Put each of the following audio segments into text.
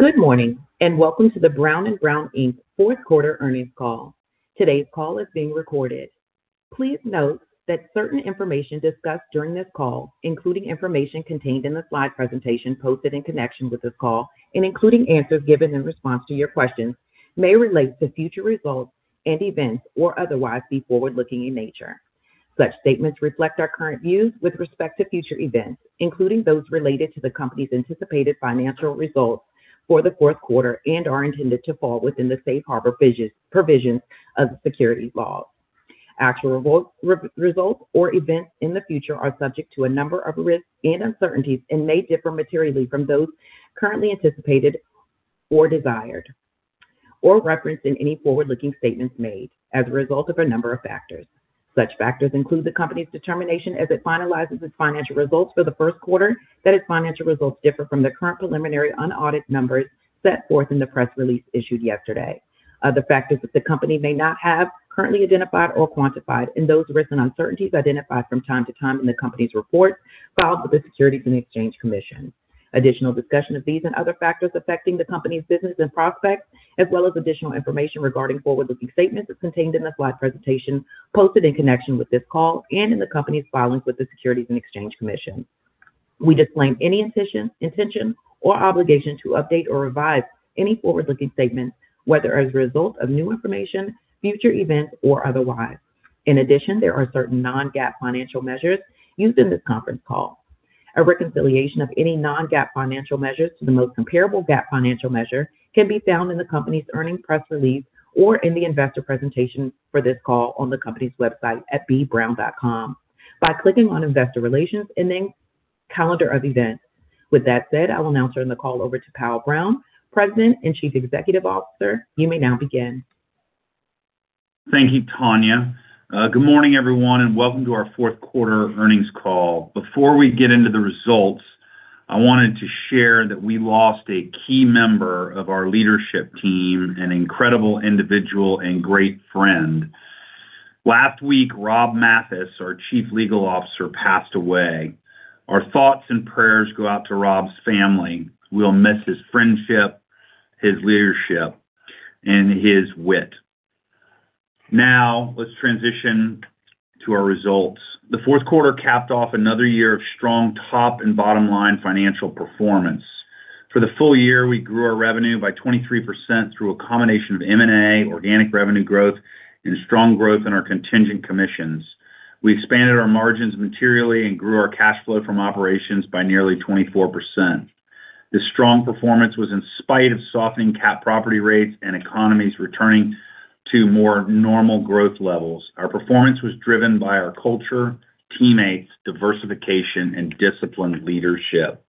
Good morning, and welcome to the Brown & Brown, Inc. fourth quarter earnings call. Today's call is being recorded. Please note that certain information discussed during this call, including information contained in the slide presentation posted in connection with this call, and including answers given in response to your questions, may relate to future results and events or otherwise be forward-looking in nature. Such statements reflect our current views with respect to future events, including those related to the company's anticipated financial results for the fourth quarter, and are intended to fall within the safe harbor provisions of the securities laws. Actual results or events in the future are subject to a number of risks and uncertainties and may differ materially from those currently anticipated or desired, or referenced in any forward-looking statements made as a result of a number of factors. Such factors include the company's determination as it finalizes its financial results for the first quarter, that its financial results differ from the current preliminary unaudited numbers set forth in the press release issued yesterday. Other factors that the company may not have currently identified or quantified, and those risks and uncertainties identified from time to time in the company's reports filed with the Securities and Exchange Commission. Additional discussion of these and other factors affecting the company's business and prospects, as well as additional information regarding forward-looking statements is contained in the slide presentation posted in connection with this call and in the company's filings with the Securities and Exchange Commission. We disclaim any intention, intention or obligation to update or revise any forward-looking statements, whether as a result of new information, future events, or otherwise. In addition, there are certain non-GAAP financial measures used in this conference call. A reconciliation of any non-GAAP financial measures to the most comparable GAAP financial measure can be found in the company's earnings press release or in the investor presentation for this call on the company's website at bbrown.com, by clicking on Investor Relations and then Calendar of Events. With that said, I will now turn the call over to Powell Brown, President and Chief Executive Officer. You may now begin. Thank you, Tanya. Good morning, everyone, and welcome to our fourth quarter earnings call. Before we get into the results, I wanted to share that we lost a key member of our leadership team, an incredible individual and great friend. Last week, Rob Lloyd, our Chief Legal Officer, passed away. Our thoughts and prayers go out to Rob's family. We'll miss his friendship, his leadership, and his wit. Now, let's transition to our results. The fourth quarter capped off another year of strong top and bottom line financial performance. For the full year, we grew our revenue by 23% through a combination of M&A, organic revenue growth, and strong growth in our contingent commissions. We expanded our margins materially and grew our cash flow from operations by nearly 24%. This strong performance was in spite of softening cat property rates and economies returning to more normal growth levels. Our performance was driven by our culture, teammates, diversification, and disciplined leadership.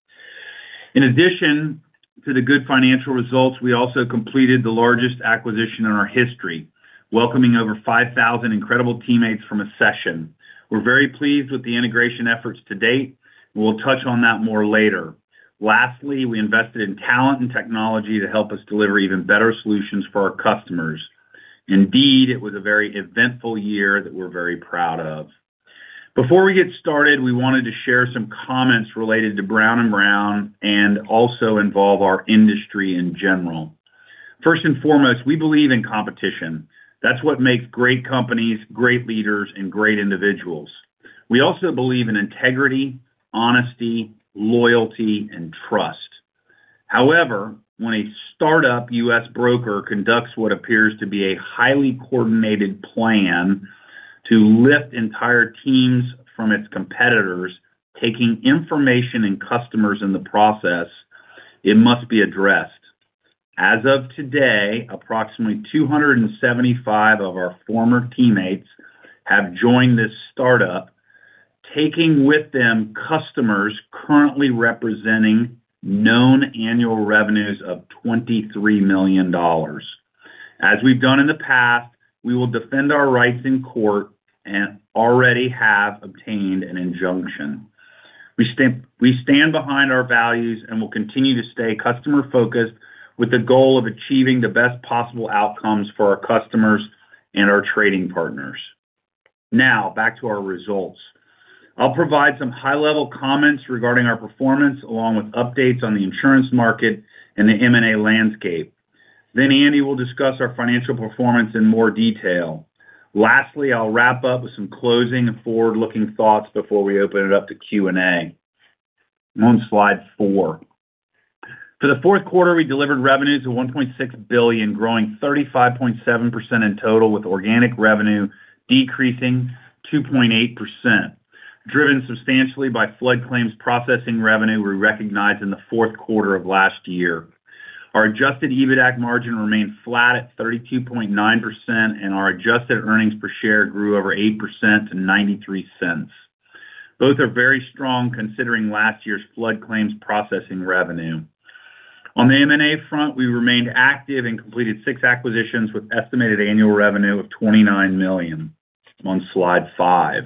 In addition to the good financial results, we also completed the largest acquisition in our history, welcoming over 5,000 incredible teammates from Accession. We're very pleased with the integration efforts to date, and we'll touch on that more later. Lastly, we invested in talent and technology to help us deliver even better solutions for our customers. Indeed, it was a very eventful year that we're very proud of. Before we get started, we wanted to share some comments related to Brown & Brown and also involve our industry in general. First and foremost, we believe in competition. That's what makes great companies, great leaders, and great individuals. We also believe in integrity, honesty, loyalty, and trust. However, when a startup US broker conducts what appears to be a highly coordinated plan to lift entire teams from its competitors, taking information and customers in the process, it must be addressed. As of today, approximately 275 of our former teammates have joined this startup, taking with them customers currently representing known annual revenues of $23 million. As we've done in the past, we will defend our rights in court and already have obtained an injunction. We stand behind our values and will continue to stay customer-focused, with the goal of achieving the best possible outcomes for our customers and our trading partners. Now, back to our results. I'll provide some high-level comments regarding our performance, along with updates on the insurance market and the M&A landscape. Then Andy will discuss our financial performance in more detail. Lastly, I'll wrap up with some closing and forward-looking thoughts before we open it up to Q&A. On slide four. For the fourth quarter, we delivered revenues of $1.6 billion, growing 35.7% in total, with organic revenue decreasing 2.8%, driven substantially by flood claims processing revenue we recognized in the fourth quarter of last year. Our adjusted EBITDAC margin remained flat at 32.9%, and our adjusted earnings per share grew over 8% to $0.93. Both are very strong, considering last year's flood claims processing revenue. On the M&A front, we remained active and completed 6 acquisitions with estimated annual revenue of $29 million. On slide five.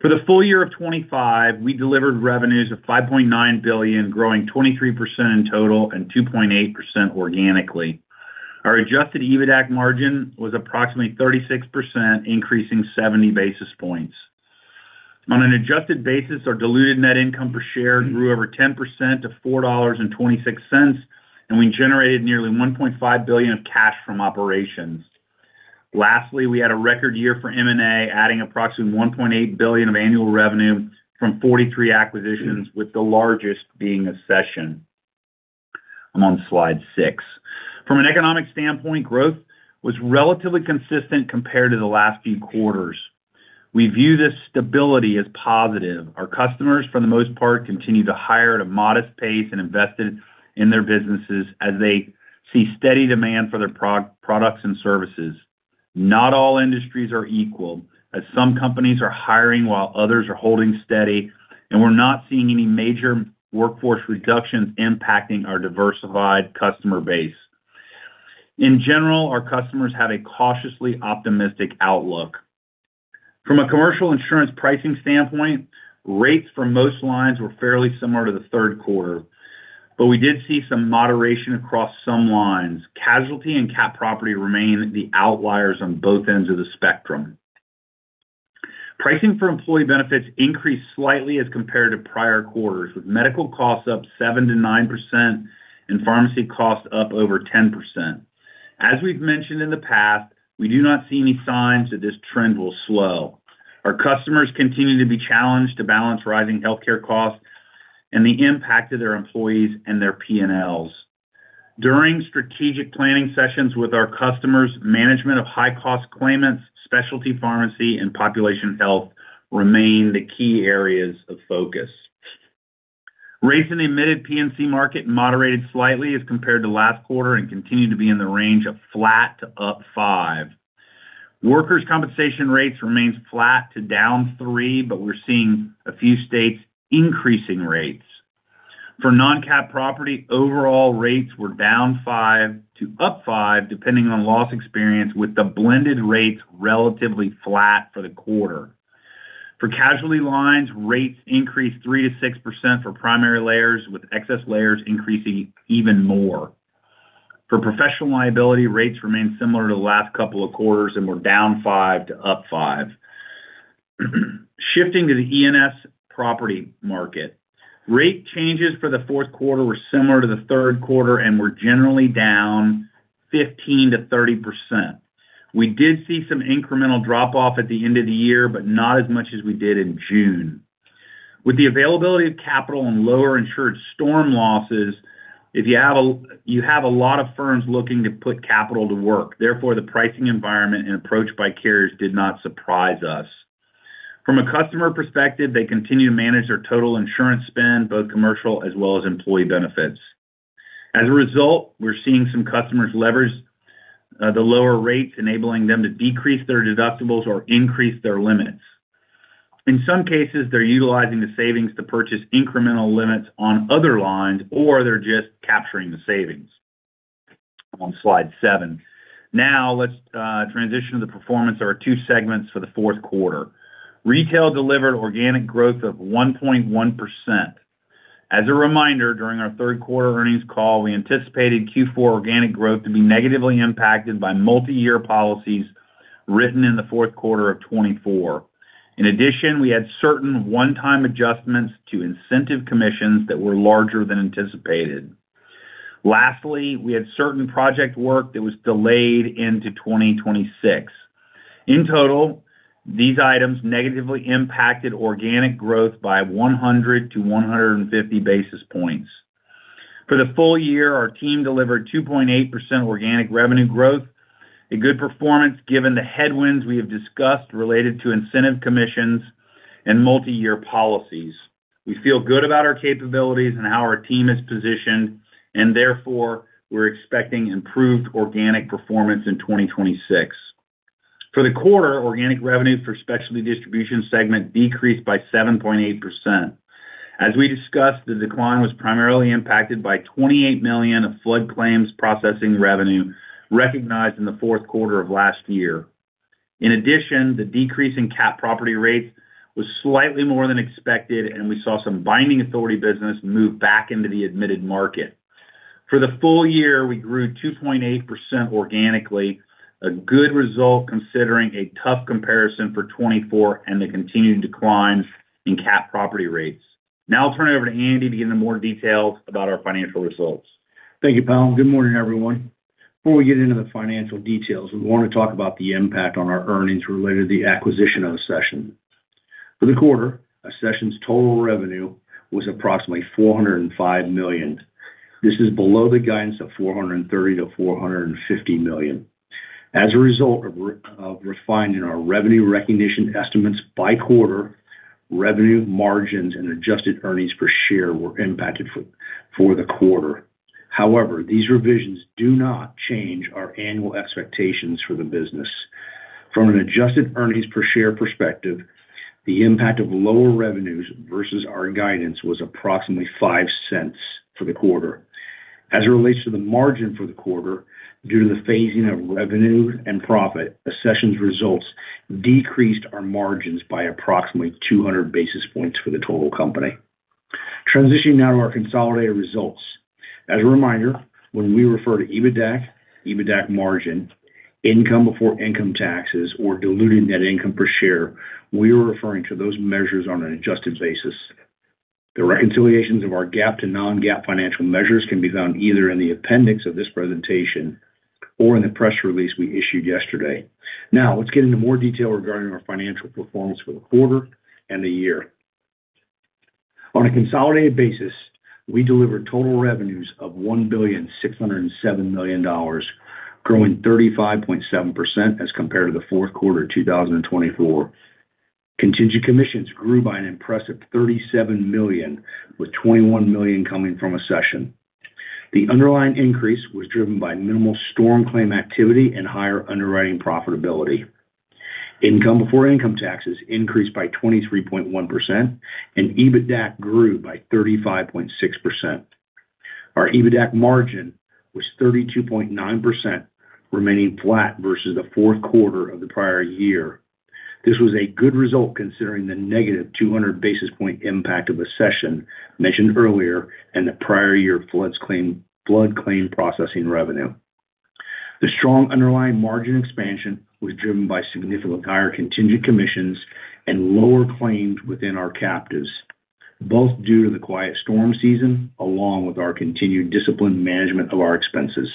For the full year of 2025, we delivered revenues of $5.9 billion, growing 23% in total and 2.8% organically. Our adjusted EBITDAC margin was approximately 36%, increasing seventy basis points. On an adjusted basis, our diluted net income per share grew over 10% to $4.26, and we generated nearly $1.5 billion of cash from operations. Lastly, we had a record year for M&A, adding approximately $1.8 billion of annual revenue from 43 acquisitions, with the largest being Accession. I'm on slide 6. From an economic standpoint, growth was relatively consistent compared to the last few quarters. We view this stability as positive. Our customers, for the most part, continue to hire at a modest pace and invested in their businesses as they see steady demand for their products and services. Not all industries are equal, as some companies are hiring while others are holding steady, and we're not seeing any major workforce reductions impacting our diversified customer base. In general, our customers have a cautiously optimistic outlook. From a commercial insurance pricing standpoint, rates for most lines were fairly similar to the third quarter, but we did see some moderation across some lines. Casualty and cat property remain the outliers on both ends of the spectrum. Pricing for employee benefits increased slightly as compared to prior quarters, with medical costs up 7%-9% and pharmacy costs up over 10%. As we've mentioned in the past, we do not see any signs that this trend will slow. Our customers continue to be challenged to balance rising healthcare costs and the impact of their employees and their P&Ls. During strategic planning sessions with our customers, management of high-cost claimants, specialty pharmacy, and population health remain the key areas of focus. Rates in the admitted P&C market moderated slightly as compared to last quarter and continued to be in the range of flat to up 5. Workers' compensation rates remains flat to down 3, but we're seeing a few states increasing rates. For non-cat property, overall rates were down 5 to up 5, depending on loss experience, with the blended rates relatively flat for the quarter. For casualty lines, rates increased 3-6% for primary layers, with excess layers increasing even more. For professional liability, rates remained similar to the last couple of quarters, and were down 5 to up 5. Shifting to the E&S property market. Rate changes for the fourth quarter were similar to the third quarter and were generally down 15-30%. We did see some incremental drop-off at the end of the year, but not as much as we did in June. With the availability of capital and lower insured storm losses, if you have a lot of firms looking to put capital to work, therefore, the pricing environment and approach by carriers did not surprise us. From a customer perspective, they continue to manage their total insurance spend, both commercial as well as employee benefits. As a result, we're seeing some customers leverage the lower rates, enabling them to decrease their deductibles or increase their limits. In some cases, they're utilizing the savings to purchase incremental limits on other lines, or they're just capturing the savings. I'm on slide 7. Now, let's transition to the performance of our two segments for the fourth quarter. Retail delivered organic growth of 1.1%. As a reminder, during our third quarter earnings call, we anticipated Q4 organic growth to be negatively impacted by multi-year policies written in the fourth quarter of 2024. In addition, we had certain one-time adjustments to incentive commissions that were larger than anticipated. Lastly, we had certain project work that was delayed into 2026. In total, these items negatively impacted organic growth by 100-150 basis points. For the full year, our team delivered 2.8% organic revenue growth, a good performance given the headwinds we have discussed related to incentive commissions and multiyear policies. We feel good about our capabilities and how our team is positioned, and therefore, we're expecting improved organic performance in 2026. For the quarter, organic revenue for Specialty Distribution segment decreased by 7.8%. As we discussed, the decline was primarily impacted by $28 million of flood claims processing revenue recognized in the fourth quarter of last year. In addition, the decrease in cat property rates was slightly more than expected, and we saw some binding authority business move back into the admitted market. For the full year, we grew 2.8% organically, a good result, considering a tough comparison for 2024 and the continued decline in cat property rates. Now I'll turn it over to Andy to give them more details about our financial results. Thank you, Powell. Good morning, everyone. Before we get into the financial details, we want to talk about the impact on our earnings related to the acquisition of Accession. For the quarter, Accession's total revenue was approximately $405 million. This is below the guidance of $430 million-$450 million. As a result of of refining our revenue recognition estimates by quarter, revenue margins and adjusted earnings per share were impacted for the quarter. However, these revisions do not change our annual expectations for the business. From an adjusted earnings per share perspective, the impact of lower revenues versus our guidance was approximately $0.05 for the quarter. As it relates to the margin for the quarter, due to the phasing of revenue and profit, Accession's results decreased our margins by approximately 200 basis points for the total company. Transitioning now to our consolidated results. As a reminder, when we refer to EBITDAC, EBITDAC margin, income before income taxes, or diluted net income per share, we are referring to those measures on an adjusted basis. The reconciliations of our GAAP to non-GAAP financial measures can be found either in the appendix of this presentation or in the press release we issued yesterday. Now, let's get into more detail regarding our financial performance for the quarter and the year. On a consolidated basis, we delivered total revenues of $1.607 billion, growing 35.7% as compared to the fourth quarter of 2024. Contingent commissions grew by an impressive $37 million, with $21 million coming from Accession. The underlying increase was driven by minimal storm claim activity and higher underwriting profitability. Income before income taxes increased by 23.1%, and EBITDAC grew by 35.6%. Our EBITDAC margin was 32.9%, remaining flat versus the fourth quarter of the prior year. This was a good result, considering the negative 200 basis point impact of Accession mentioned earlier and the prior year flood claim processing revenue. The strong underlying margin expansion was driven by significant higher contingent commissions and lower claims within our captives, both due to the quiet storm season, along with our continued disciplined management of our expenses.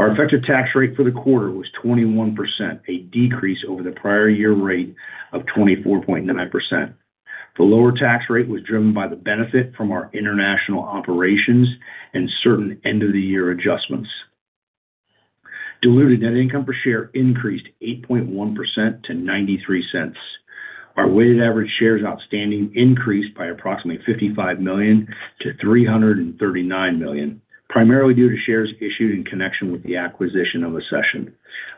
Our effective tax rate for the quarter was 21%, a decrease over the prior year rate of 24.9%. The lower tax rate was driven by the benefit from our international operations and certain end-of-the-year adjustments. Diluted net income per share increased 8.1% to $0.93. Our weighted average shares outstanding increased by approximately 55 million to 339 million, primarily due to shares issued in connection with the acquisition of Accession.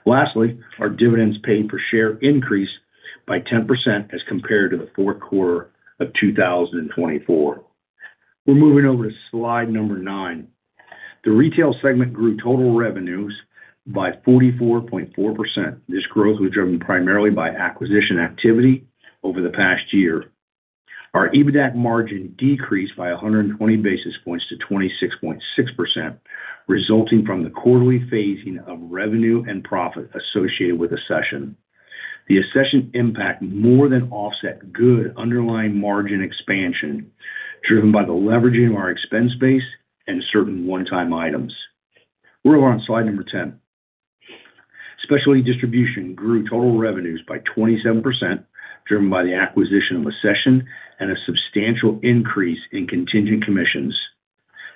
Lastly, our dividends paid per share increased by 10% as compared to the fourth quarter of 2024. We're moving over to slide number 9. The Retail segment grew total revenues by 44.4%. This growth was driven primarily by acquisition activity over the past year. Our EBITDAC margin decreased by 120 basis points to 26.6%, resulting from the quarterly phasing of revenue and profit associated with Accession. The Accession impact more than offset good underlying margin expansion, driven by the leveraging of our expense base and certain one-time items. We're on slide number 10. Specialty distribution grew total revenues by 27%, driven by the acquisition of Accession and a substantial increase in contingent commissions.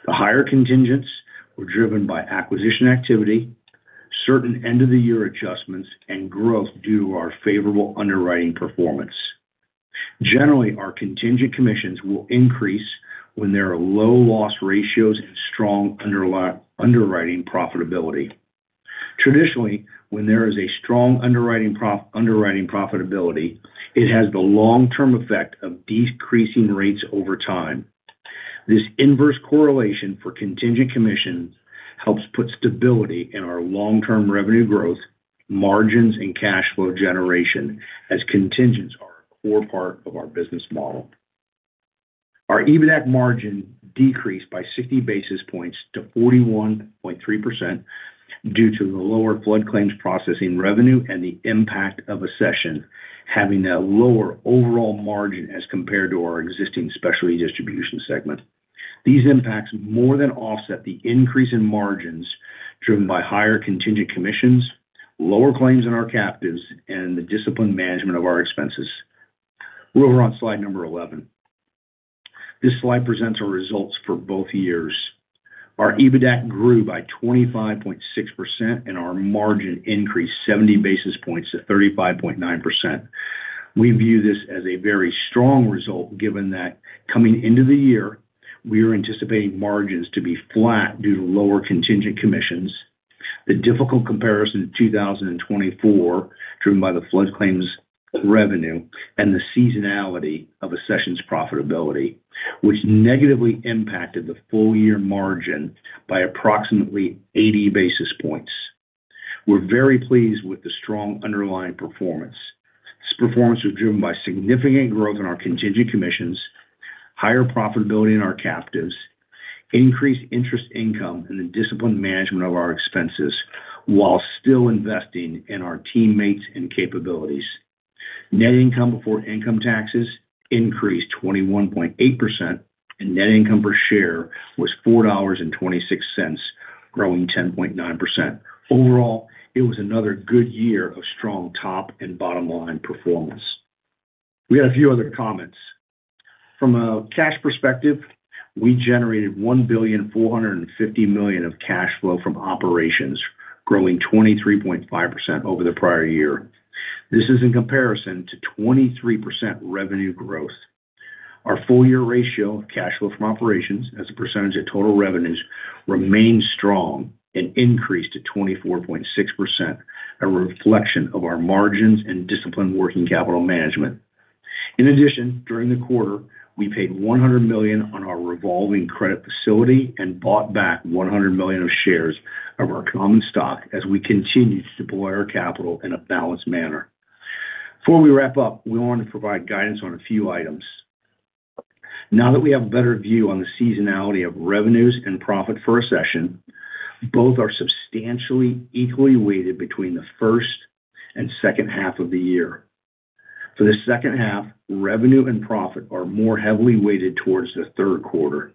The higher contingents were driven by acquisition activity, certain end-of-the-year adjustments, and growth due to our favorable underwriting performance. Generally, our contingent commissions will increase when there are low loss ratios and strong underwriting profitability. Traditionally, when there is a strong underwriting profitability, it has the long-term effect of decreasing rates over time. This inverse correlation for contingent commissions helps put stability in our long-term revenue growth, margins, and cash flow generation, as contingents are a core part of our business model. Our EBITDAC margin decreased by 60 basis points to 41.3%, due to the lower flood claims processing revenue and the impact of Accession, having a lower overall margin as compared to our existing Specialty Distribution segment. These impacts more than offset the increase in margins, driven by higher contingent commissions, lower claims in our captives, and the disciplined management of our expenses. We're over on slide 11. This slide presents our results for both years. Our EBITDAC grew by 25.6%, and our margin increased 70 basis points to 35.9%. We view this as a very strong result, given that coming into the year, we are anticipating margins to be flat due to lower contingent commissions, the difficult comparison to 2024, driven by the flood claims revenue, and the seasonality of Accession's profitability, which negatively impacted the full year margin by approximately 80 basis points. We're very pleased with the strong underlying performance. This performance was driven by significant growth in our contingent commissions, higher profitability in our captives, increased interest income, and the disciplined management of our expenses while still investing in our teammates and capabilities. Net income before income taxes increased 21.8%, and net income per share was $4.26, growing 10.9%. Overall, it was another good year of strong top and bottom line performance. We had a few other comments. From a cash perspective, we generated $1.45 billion of cash flow from operations, growing 23.5% over the prior year. This is in comparison to 23% revenue growth. Our full year ratio of cash flow from operations, as a percentage of total revenues, remained strong and increased to 24.6%, a reflection of our margins and disciplined working capital management. In addition, during the quarter, we paid $100 million on our revolving credit facility and bought back $100 million of shares of our common stock as we continue to deploy our capital in a balanced manner.... Before we wrap up, we want to provide guidance on a few items. Now that we have a better view on the seasonality of revenues and profit for Accession, both are substantially equally weighted between the first and second half of the year. For the second half, revenue and profit are more heavily weighted towards the third quarter.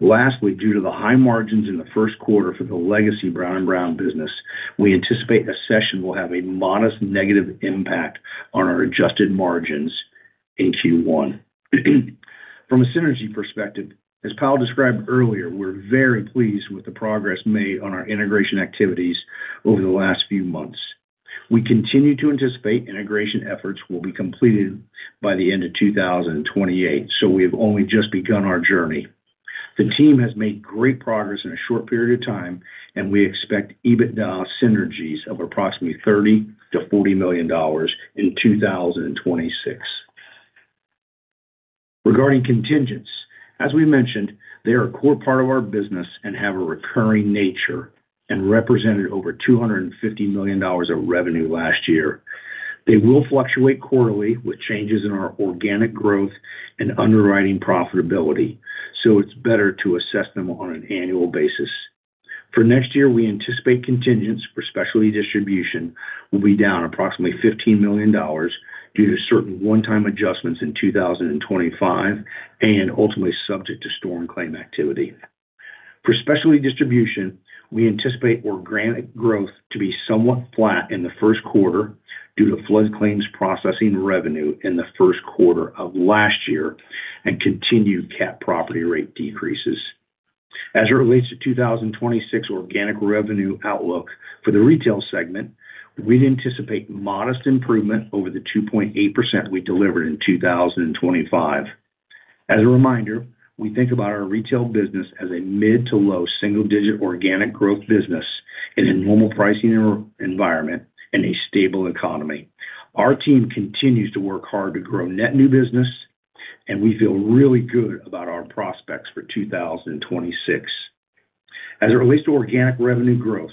Lastly, due to the high margins in the first quarter for the legacy Brown & Brown business, we anticipate Accession will have a modest negative impact on our adjusted margins in Q1. From a synergy perspective, as Powell described earlier, we're very pleased with the progress made on our integration activities over the last few months. We continue to anticipate integration efforts will be completed by the end of 2028, so we have only just begun our journey. The team has made great progress in a short period of time, and we expect EBITDA synergies of approximately $30 million-$40 million in 2026. Regarding contingents, as we mentioned, they are a core part of our business and have a recurring nature, and represented over $250 million of revenue last year. They will fluctuate quarterly with changes in our organic growth and underwriting profitability, so it's better to assess them on an annual basis. For next year, we anticipate contingents for Specialty Distribution will be down approximately $15 million due to certain one-time adjustments in 2025, and ultimately subject to storm claim activity. For Specialty Distribution, we anticipate organic growth to be somewhat flat in the first quarter due to flood claims, processing revenue in the first quarter of last year, and continued cat property rate decreases. As it relates to 2026 organic revenue outlook for the Retail segment, we'd anticipate modest improvement over the 2.8% we delivered in 2025. As a reminder, we think about our Retail business as a mid to low single digit organic growth business in a normal pricing environment and a stable economy. Our team continues to work hard to grow net new business, and we feel really good about our prospects for 2026. As it relates to organic revenue growth,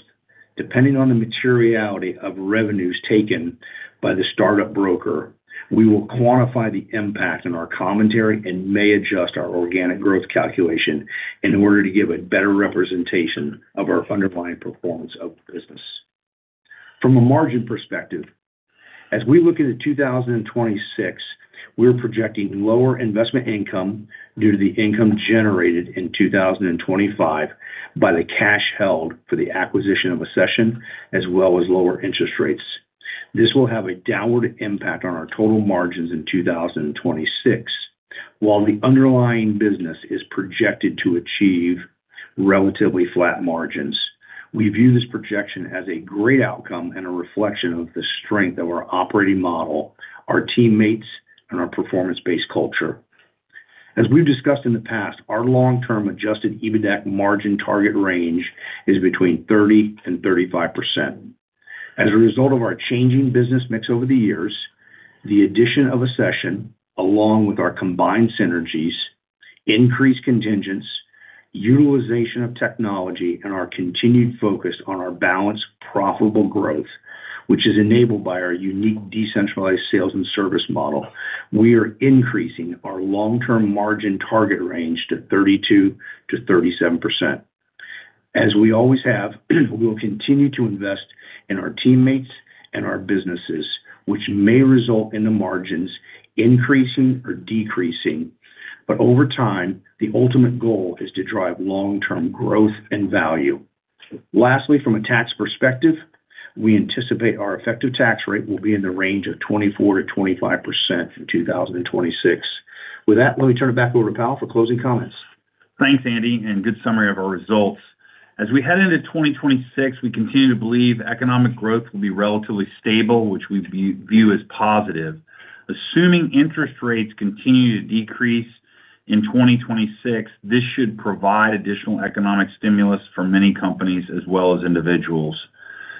depending on the materiality of revenues taken by the startup broker, we will quantify the impact in our commentary and may adjust our organic growth calculation in order to give a better representation of our underlying performance of the business. From a margin perspective, as we look into 2026, we're projecting lower investment income due to the income generated in 2025 by the cash held for the acquisition of Accession, as well as lower interest rates. This will have a downward impact on our total margins in 2026. While the underlying business is projected to achieve relatively flat margins, we view this projection as a great outcome and a reflection of the strength of our operating model, our teammates, and our performance-based culture. As we've discussed in the past, our long-term adjusted EBITDAC margin target range is between 30% and 35%. As a result of our changing business mix over the years, the addition of Accession, along with our combined synergies, increased contingents, utilization of technology, and our continued focus on our balanced, profitable growth, which is enabled by our unique decentralized sales and service model, we are increasing our long-term margin target range to 32%-37%. As we always have, we will continue to invest in our teammates and our businesses, which may result in the margins increasing or decreasing, but over time, the ultimate goal is to drive long-term growth and value. Lastly, from a tax perspective, we anticipate our effective tax rate will be in the range of 24%-25% in 2026. With that, let me turn it back over to Powell for closing comments. Thanks, Andy, and good summary of our results. As we head into 2026, we continue to believe economic growth will be relatively stable, which we view as positive. Assuming interest rates continue to decrease in 2026, this should provide additional economic stimulus for many companies as well as individuals.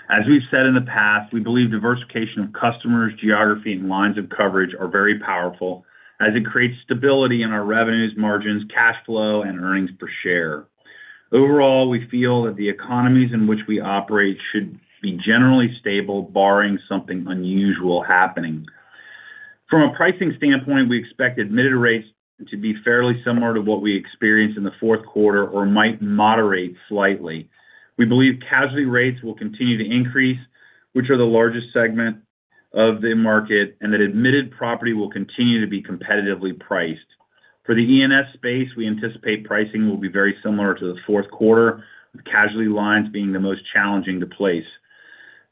As we've said in the past, we believe diversification of customers, geography, and lines of coverage are very powerful, as it creates stability in our revenues, margins, cash flow, and earnings per share. Overall, we feel that the economies in which we operate should be generally stable, barring something unusual happening. From a pricing standpoint, we expect admitted rates to be fairly similar to what we experienced in the fourth quarter or might moderate slightly. We believe casualty rates will continue to increase, which are the largest segment of the market, and that admitted property will continue to be competitively priced. For the E&S space, we anticipate pricing will be very similar to the fourth quarter, with casualty lines being the most challenging to place.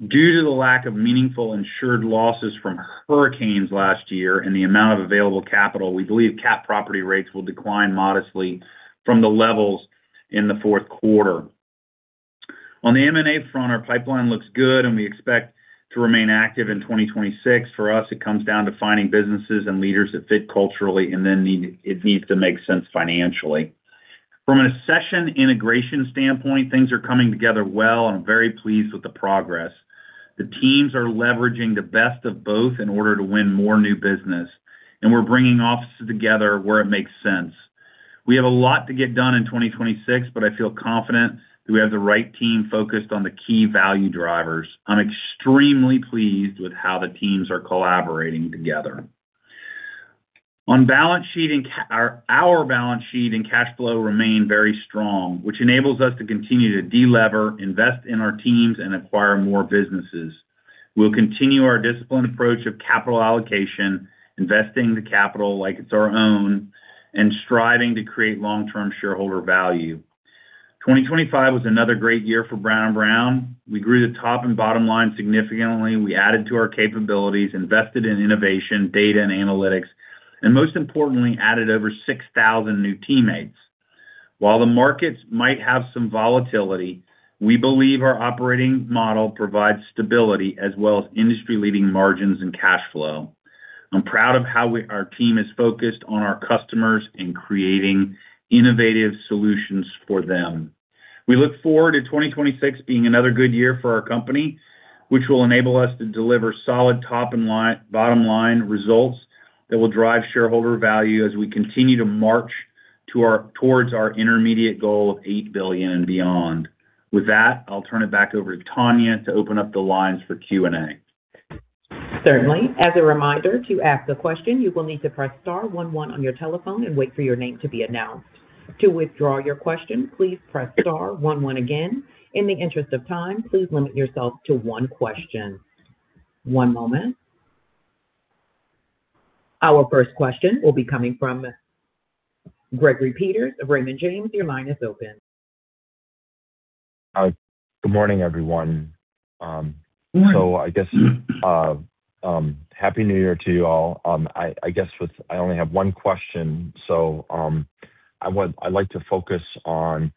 Due to the lack of meaningful insured losses from hurricanes last year and the amount of available capital, we believe cat property rates will decline modestly from the levels in the fourth quarter. On the M&A front, our pipeline looks good, and we expect to remain active in 2026. For us, it comes down to finding businesses and leaders that fit culturally, and then it needs to make sense financially. From an accession integration standpoint, things are coming together well, and I'm very pleased with the progress. The teams are leveraging the best of both in order to win more new business, and we're bringing offices together where it makes sense. We have a lot to get done in 2026, but I feel confident that we have the right team focused on the key value drivers. I'm extremely pleased with how the teams are collaborating together. Our balance sheet and cash flow remain very strong, which enables us to continue to delever, invest in our teams, and acquire more businesses. We'll continue our disciplined approach of capital allocation, investing the capital like it's our own, and striving to create long-term shareholder value. 2025 was another great year for Brown & Brown. We grew the top and bottom line significantly, we added to our capabilities, invested in innovation, data, and analytics, and most importantly, added over 6,000 new teammates. While the markets might have some volatility, we believe our operating model provides stability as well as industry-leading margins and cash flow. I'm proud of how our team is focused on our customers in creating innovative solutions for them. We look forward to 2026 being another good year for our company, which will enable us to deliver solid top and bottom line results that will drive shareholder value as we continue to march towards our intermediate goal of $8 billion and beyond. With that, I'll turn it back over to Tanya to open up the lines for Q&A. Certainly. As a reminder, to ask a question, you will need to press star one one on your telephone and wait for your name to be announced. To withdraw your question, please press star one one again. In the interest of time, please limit yourself to one question. One moment. Our first question will be coming from Gregory Peters of Raymond James. Your line is open. Good morning, everyone. Good morning. So I guess, happy New Year to you all. I guess I only have one question. So, I would—I'd like to focus on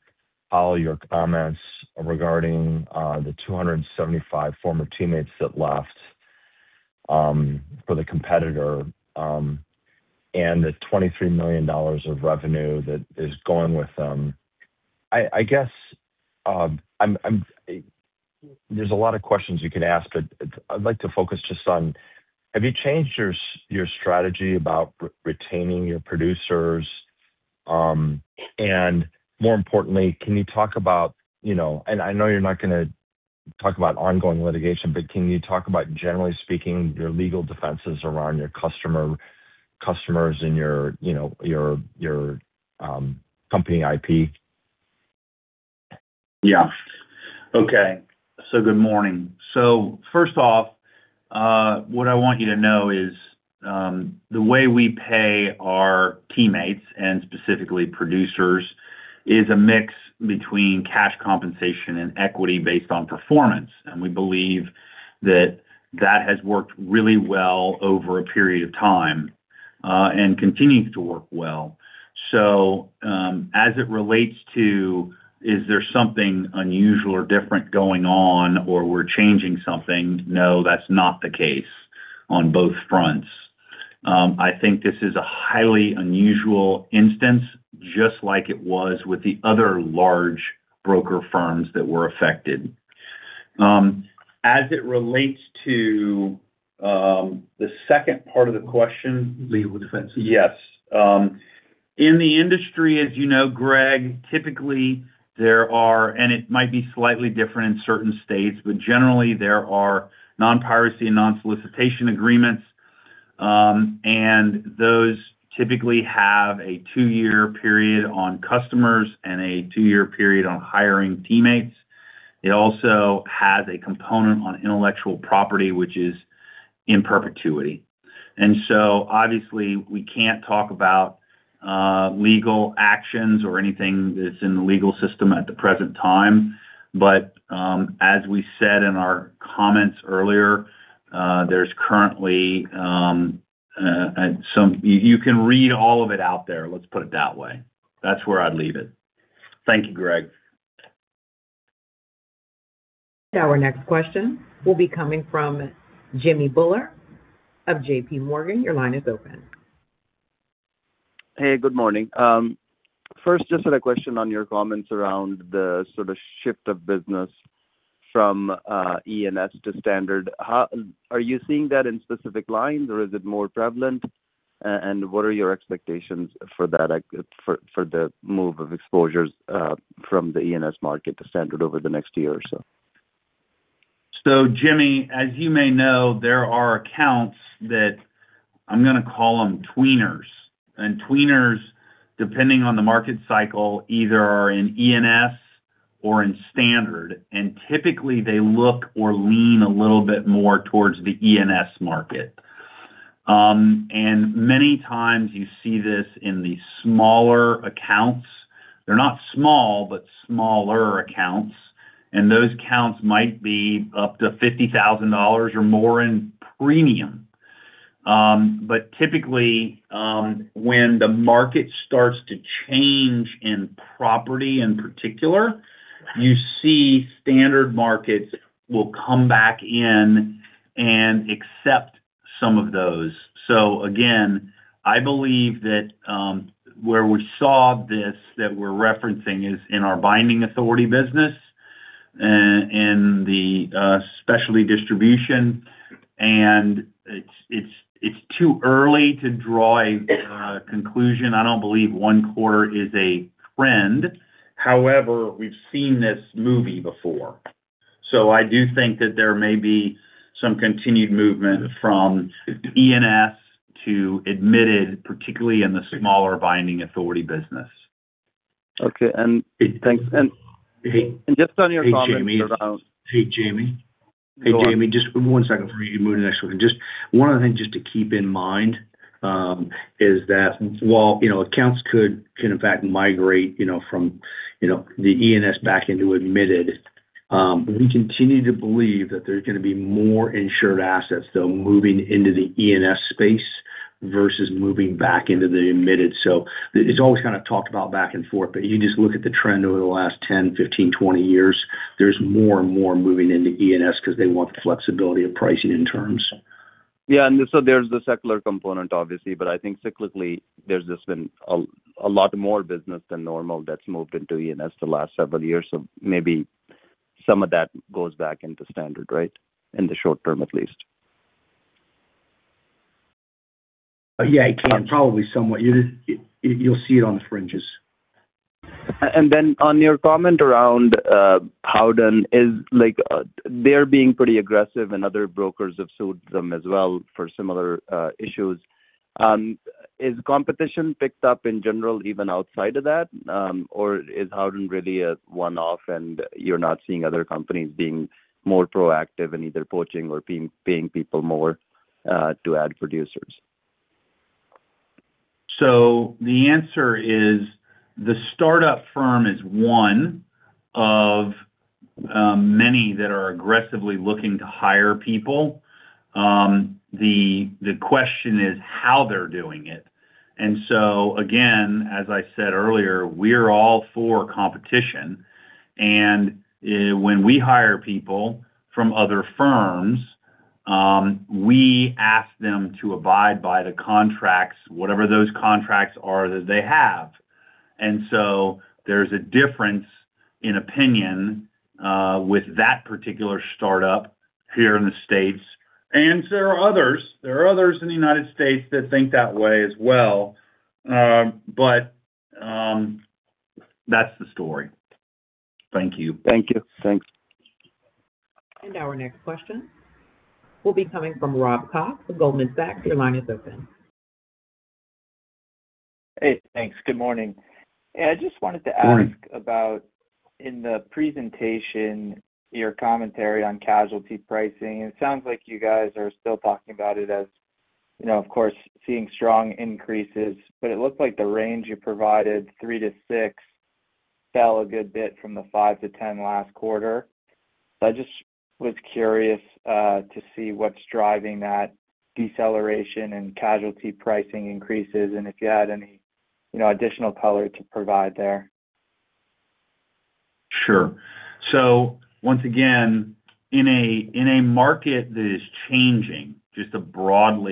all your comments regarding the 275 former teammates that left for the competitor and the $23 million of revenue that is going with them. I guess, I'm—there's a lot of questions you could ask, but I'd like to focus just on, have you changed your strategy about retaining your producers? And more importantly, can you talk about, you know, and I know you're not gonna talk about ongoing litigation, but can you talk about, generally speaking, your legal defenses around your customers and your, you know, your company IP? Yeah. Okay. So good morning. So first off, what I want you to know is, the way we pay our teammates, and specifically producers, is a mix between cash compensation and equity based on performance. And we believe that that has worked really well over a period of time, and continues to work well. So, as it relates to, is there something unusual or different going on, or we're changing something? No, that's not the case on both fronts. I think this is a highly unusual instance, just like it was with the other large broker firms that were affected. As it relates to, the second part of the question- Legal defenses. Yes. In the industry, as you know, Greg, typically there are, and it might be slightly different in certain states, but generally, there are non-piracy and non-solicitation agreements. Those typically have a 2-year period on customers and a 2-year period on hiring teammates. It also has a component on intellectual property, which is in perpetuity. So, obviously, we can't talk about legal actions or anything that's in the legal system at the present time. But as we said in our comments earlier, there's currently some. You can read all of it out there. Let's put it that way. That's where I'd leave it. Thank you, Greg. Our next question will be coming from Jamminder Bhullar of J.P. Morgan. Your line is open. Hey, good morning. First, just had a question on your comments around the sort of shift of business from E&S to standard. How are you seeing that in specific lines, or is it more prevalent? And what are your expectations for that, for the move of exposures from the E&S market to standard over the next year or so? So, Jimmy, as you may know, there are accounts that I'm gonna call them tweeners. And tweeners, depending on the market cycle, either are in E&S or in standard, and typically they look or lean a little bit more towards the E&S market. And many times you see this in the smaller accounts. They're not small, but smaller accounts, and those accounts might be up to $50,000 or more in premium. But typically, when the market starts to change in property, in particular, you see standard markets will come back in and accept some of those. So again, I believe that, where we saw this, that we're referencing, is in our binding authority business in the Specialty Distribution, and it's too early to draw a conclusion. I don't believe one quarter is a trend. However, we've seen this movie before, so I do think that there may be some continued movement from E&S to admitted, particularly in the smaller binding authority business. Okay, and thanks. And just on your comment- Hey, Jamie. Hey, Jamie. Hey, Jamie, just one second before you move to the next one. Just one other thing just to keep in mind, is that while, you know, accounts could, can in fact migrate, you know, from, you know, the E&S back into admitted, we continue to believe that there's gonna be more insured assets, though, moving into the E&S space versus moving back into the admitted. So it's always kind of talked about back and forth, but you just look at the trend over the last 10, 15, 20 years, there's more and more moving into E&S 'cause they want the flexibility of pricing and terms. Yeah, and so there's the secular component, obviously, but I think cyclically, there's just been a lot more business than normal that's moved into E&S the last several years. So maybe some of that goes back into standard, right? In the short term, at least. Yeah, it can, probably somewhat. You, you'll see it on the fringes. And then on your comment around Howden, is like, they're being pretty aggressive, and other brokers have sued them as well for similar issues. Has competition picked up in general, even outside of that, or is Howden really a one-off, and you're not seeing other companies being more proactive in either poaching or paying, paying people more to add producers? So the answer is, the startup firm is one of many that are aggressively looking to hire people. The question is how they're doing it. And so again, as I said earlier, we're all for competition, and when we hire people from other firms, we ask them to abide by the contracts, whatever those contracts are, that they have. And so there's a difference in opinion with that particular startup here in the States. And there are others, there are others in the United States that think that way as well. But that's the story. Thank you. Thank you. Thanks. Our next question will be coming from Rob Cox with Goldman Sachs. Your line is open. Hey, thanks. Good morning. I just wanted to ask- Good morning... about, in the presentation, your commentary on casualty pricing. It sounds like you guys are still talking about it as, you know, of course, seeing strong increases, but it looked like the range you provided, 3%-6%, fell a good bit from the 5%-10% last quarter. I just was curious to see what's driving that deceleration and casualty pricing increases and if you had any, you know, additional color to provide there. Sure. So once again, in a market that is changing, just a broad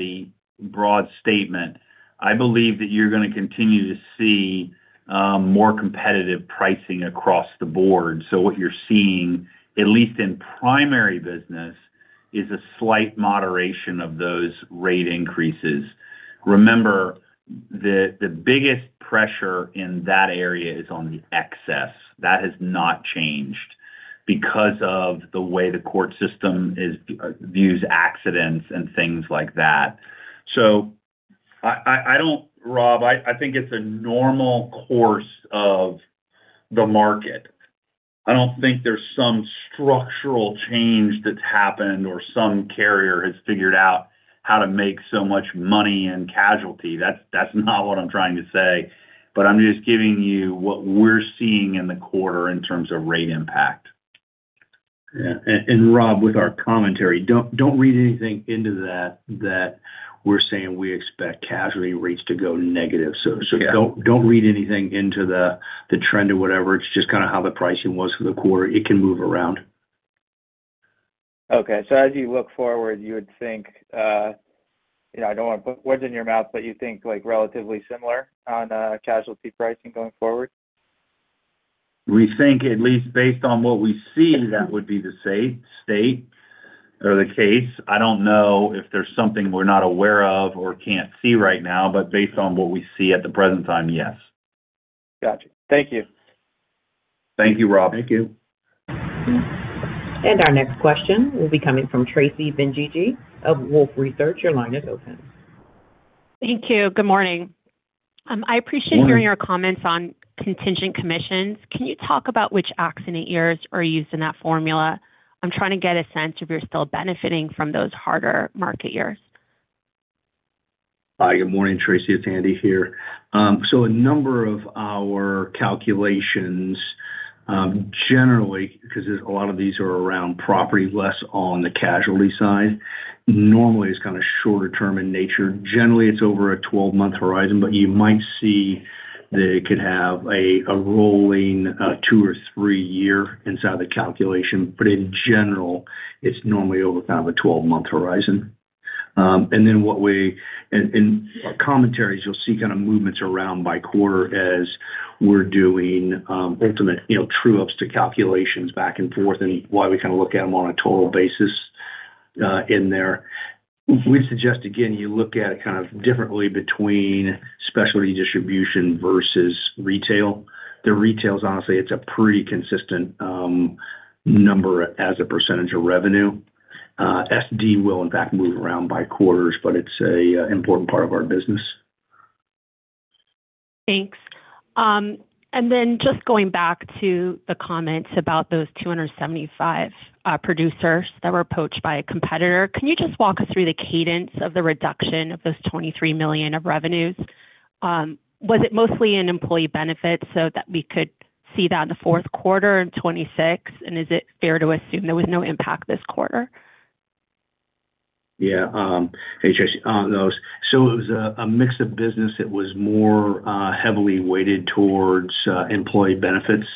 statement, I believe that you're gonna continue to see more competitive pricing across the board. So what you're seeing, at least in primary business, is a slight moderation of those rate increases. Remember, the biggest pressure in that area is on the excess. That has not changed because of the way the court system views accidents and things like that. So I don't, Rob, I think it's a normal course of the market. I don't think there's some structural change that's happened or some carrier has figured out how to make so much money in casualty. That's not what I'm trying to say, but I'm just giving you what we're seeing in the quarter in terms of rate impact. Yeah, and Rob, with our commentary, don't read anything into that that we're saying we expect casualty rates to go negative. Yeah. So, don't read anything into the trend or whatever. It's just kind of how the pricing was for the quarter. It can move around. Okay. So as you look forward, you would think, you know, I don't want to put words in your mouth, but you think like, relatively similar on, casualty pricing going forward? We think, at least based on what we see, that would be the state or the case. I don't know if there's something we're not aware of or can't see right now, but based on what we see at the present time, yes. Gotcha. Thank you. Thank you, Rob. Thank you. Our next question will be coming from Tracy Benguigui of Wolfe Research. Your line is open. Thank you. Good morning. Good morning. I appreciate hearing your comments on contingent commissions. Can you talk about which accident years are used in that formula? I'm trying to get a sense if you're still benefiting from those harder market years. Hi, good morning, Tracy. It's Andy here. So a number of our calculations, generally, 'cause there's a lot of these are around property, less on the casualty side, normally is kind of shorter term in nature. Generally, it's over a 12-month horizon, but you might see that it could have a rolling 2 or 3 year inside the calculation. But in general, it's normally over kind of a 12-month horizon. And then what we and our commentaries, you'll see kind of movements around by quarter as we're doing ultimate, you know, true-ups to calculations back and forth, and why we kind of look at them on a total basis in there. We'd suggest, again, you look at it kind of differently between Specialty Distribution versus Retail. The Retail's, honestly, it's a pretty consistent number as a percentage of revenue. SD will in fact move around by quarters, but it's a, important part of our business. Thanks. And then just going back to the comments about those 275 producers that were approached by a competitor, can you just walk us through the cadence of the reduction of those $23 million of revenues? Was it mostly in employee benefits so that we could see that in the fourth quarter in 2026? And is it fair to assume there was no impact this quarter? Yeah, hey, Tracy, on those. So it was a mix of business that was more heavily weighted towards employee benefits.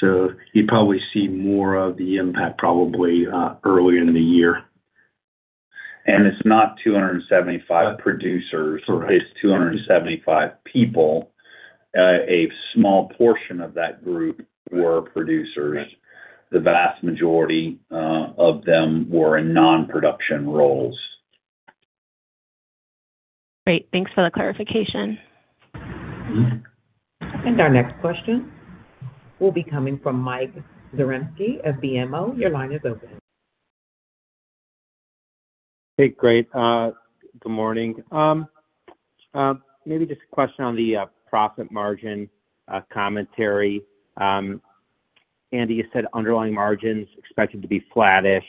So you'd probably see more of the impact probably earlier in the year. And it's not 275 producers- Correct. It's 275 people. A small portion of that group were producers. The vast majority of them were in non-production roles. Great. Thanks for the clarification. And our next question will be coming from Mike Zaremski of BMO. Your line is open. Hey, great. Good morning. Maybe just a question on the profit margin commentary. Andy, you said underlying margins expected to be flattish.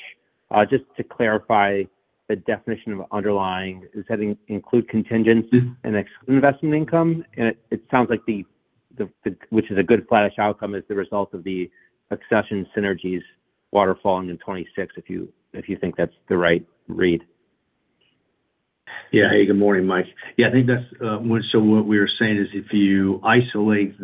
Just to clarify the definition of underlying, does that include contingents and investment income? And it sounds like the which is a good flattish outcome, is the result of the accession synergies waterfalling in 2026, if you think that's the right read. Yeah. Hey, good morning, Mike. Yeah, I think that's so what we were saying is, if you isolate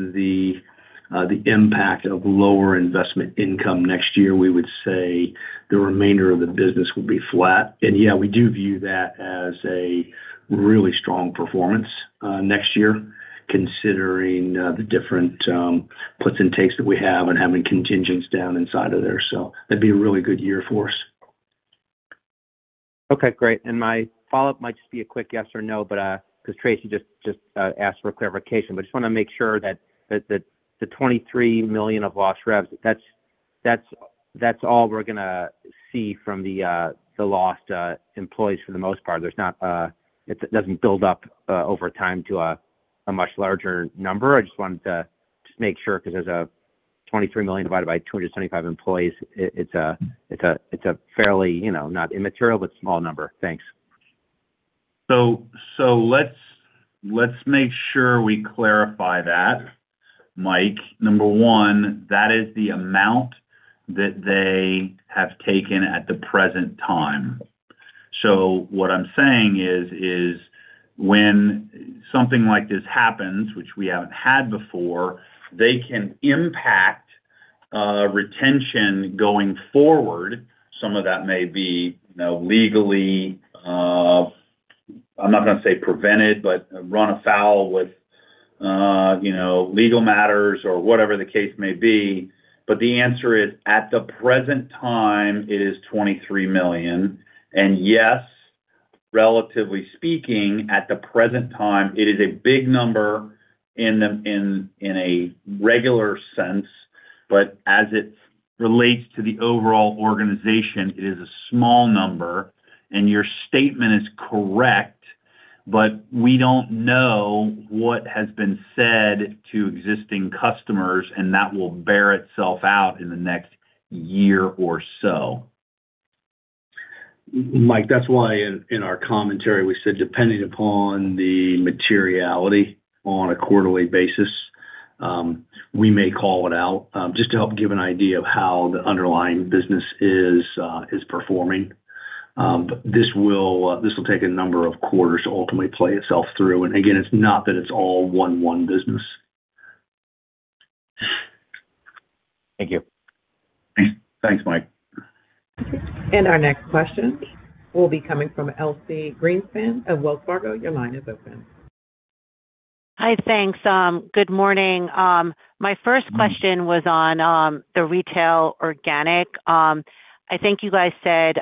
the impact of lower investment income next year, we would say the remainder of the business will be flat. And yeah, we do view that as a really strong performance next year, considering the different puts and takes that we have and having contingents down inside of there. So that'd be a really good year for us. Okay, great. And my follow-up might just be a quick yes or no, but because Tracy just, just asked for a clarification. But I just wanna make sure that the $23 million of lost revs, that's all we're gonna see from the lost employees for the most part. There's not, it doesn't build up over time to a much larger number. I just wanted to just make sure, because as $23 million divided by 275 employees, it's a fairly, you know, not immaterial, but small number. Thanks. So, let's make sure we clarify that, Mike. Number one, that is the amount that they have taken at the present time. So what I'm saying is when something like this happens, which we haven't had before, they can impact retention going forward. Some of that may be, you know, legally, I'm not gonna say prevented, but run afoul with, you know, legal matters or whatever the case may be. But the answer is, at the present time, it is $23 million. And yes, relatively speaking, at the present time, it is a big number in a regular sense, but as it relates to the overall organization, it is a small number, and your statement is correct. But we don't know what has been said to existing customers, and that will bear itself out in the next year or so. Mike, that's why in our commentary, we said, depending upon the materiality on a quarterly basis, we may call it out just to help give an idea of how the underlying business is performing. But this will take a number of quarters to ultimately play itself through. And again, it's not that it's all one business. Thank you. Thanks, thanks, Mike. Our next question will be coming from Elyse Greenspan of Wells Fargo. Your line is open. Hi, thanks. Good morning. My first question was on, the Retail organic. I think you guys said,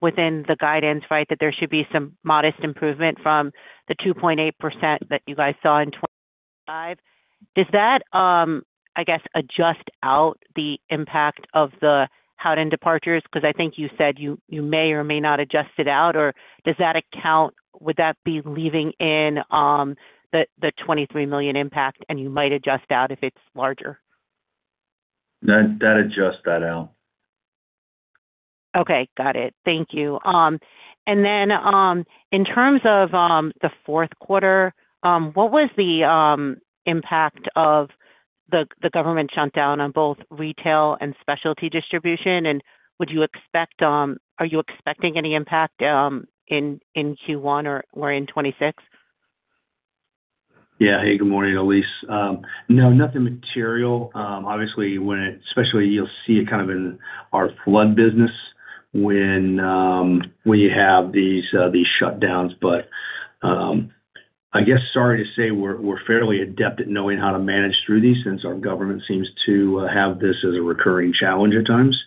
within the guidance, right, that there should be some modest improvement from the 2.8% that you guys saw in 2025. Does that, I guess, adjust out the impact of the Howden departures? Because I think you said you, you may or may not adjust it out, or does that account, would that be leaving in, the, the $23 million impact, and you might adjust out if it's larger? That, that adjusts that out. Okay, got it. Thank you. And then, in terms of the fourth quarter, what was the impact of the government shutdown on both Retail and Specialty Distribution? And would you expect, are you expecting any impact in Q1 or in 2026?... Yeah. Hey, good morning, Elyse. No, nothing material. Obviously, when it—especially you'll see it kind of in our flood business when we have these shutdowns. But I guess, sorry to say, we're fairly adept at knowing how to manage through these, since our government seems to have this as a recurring challenge at times.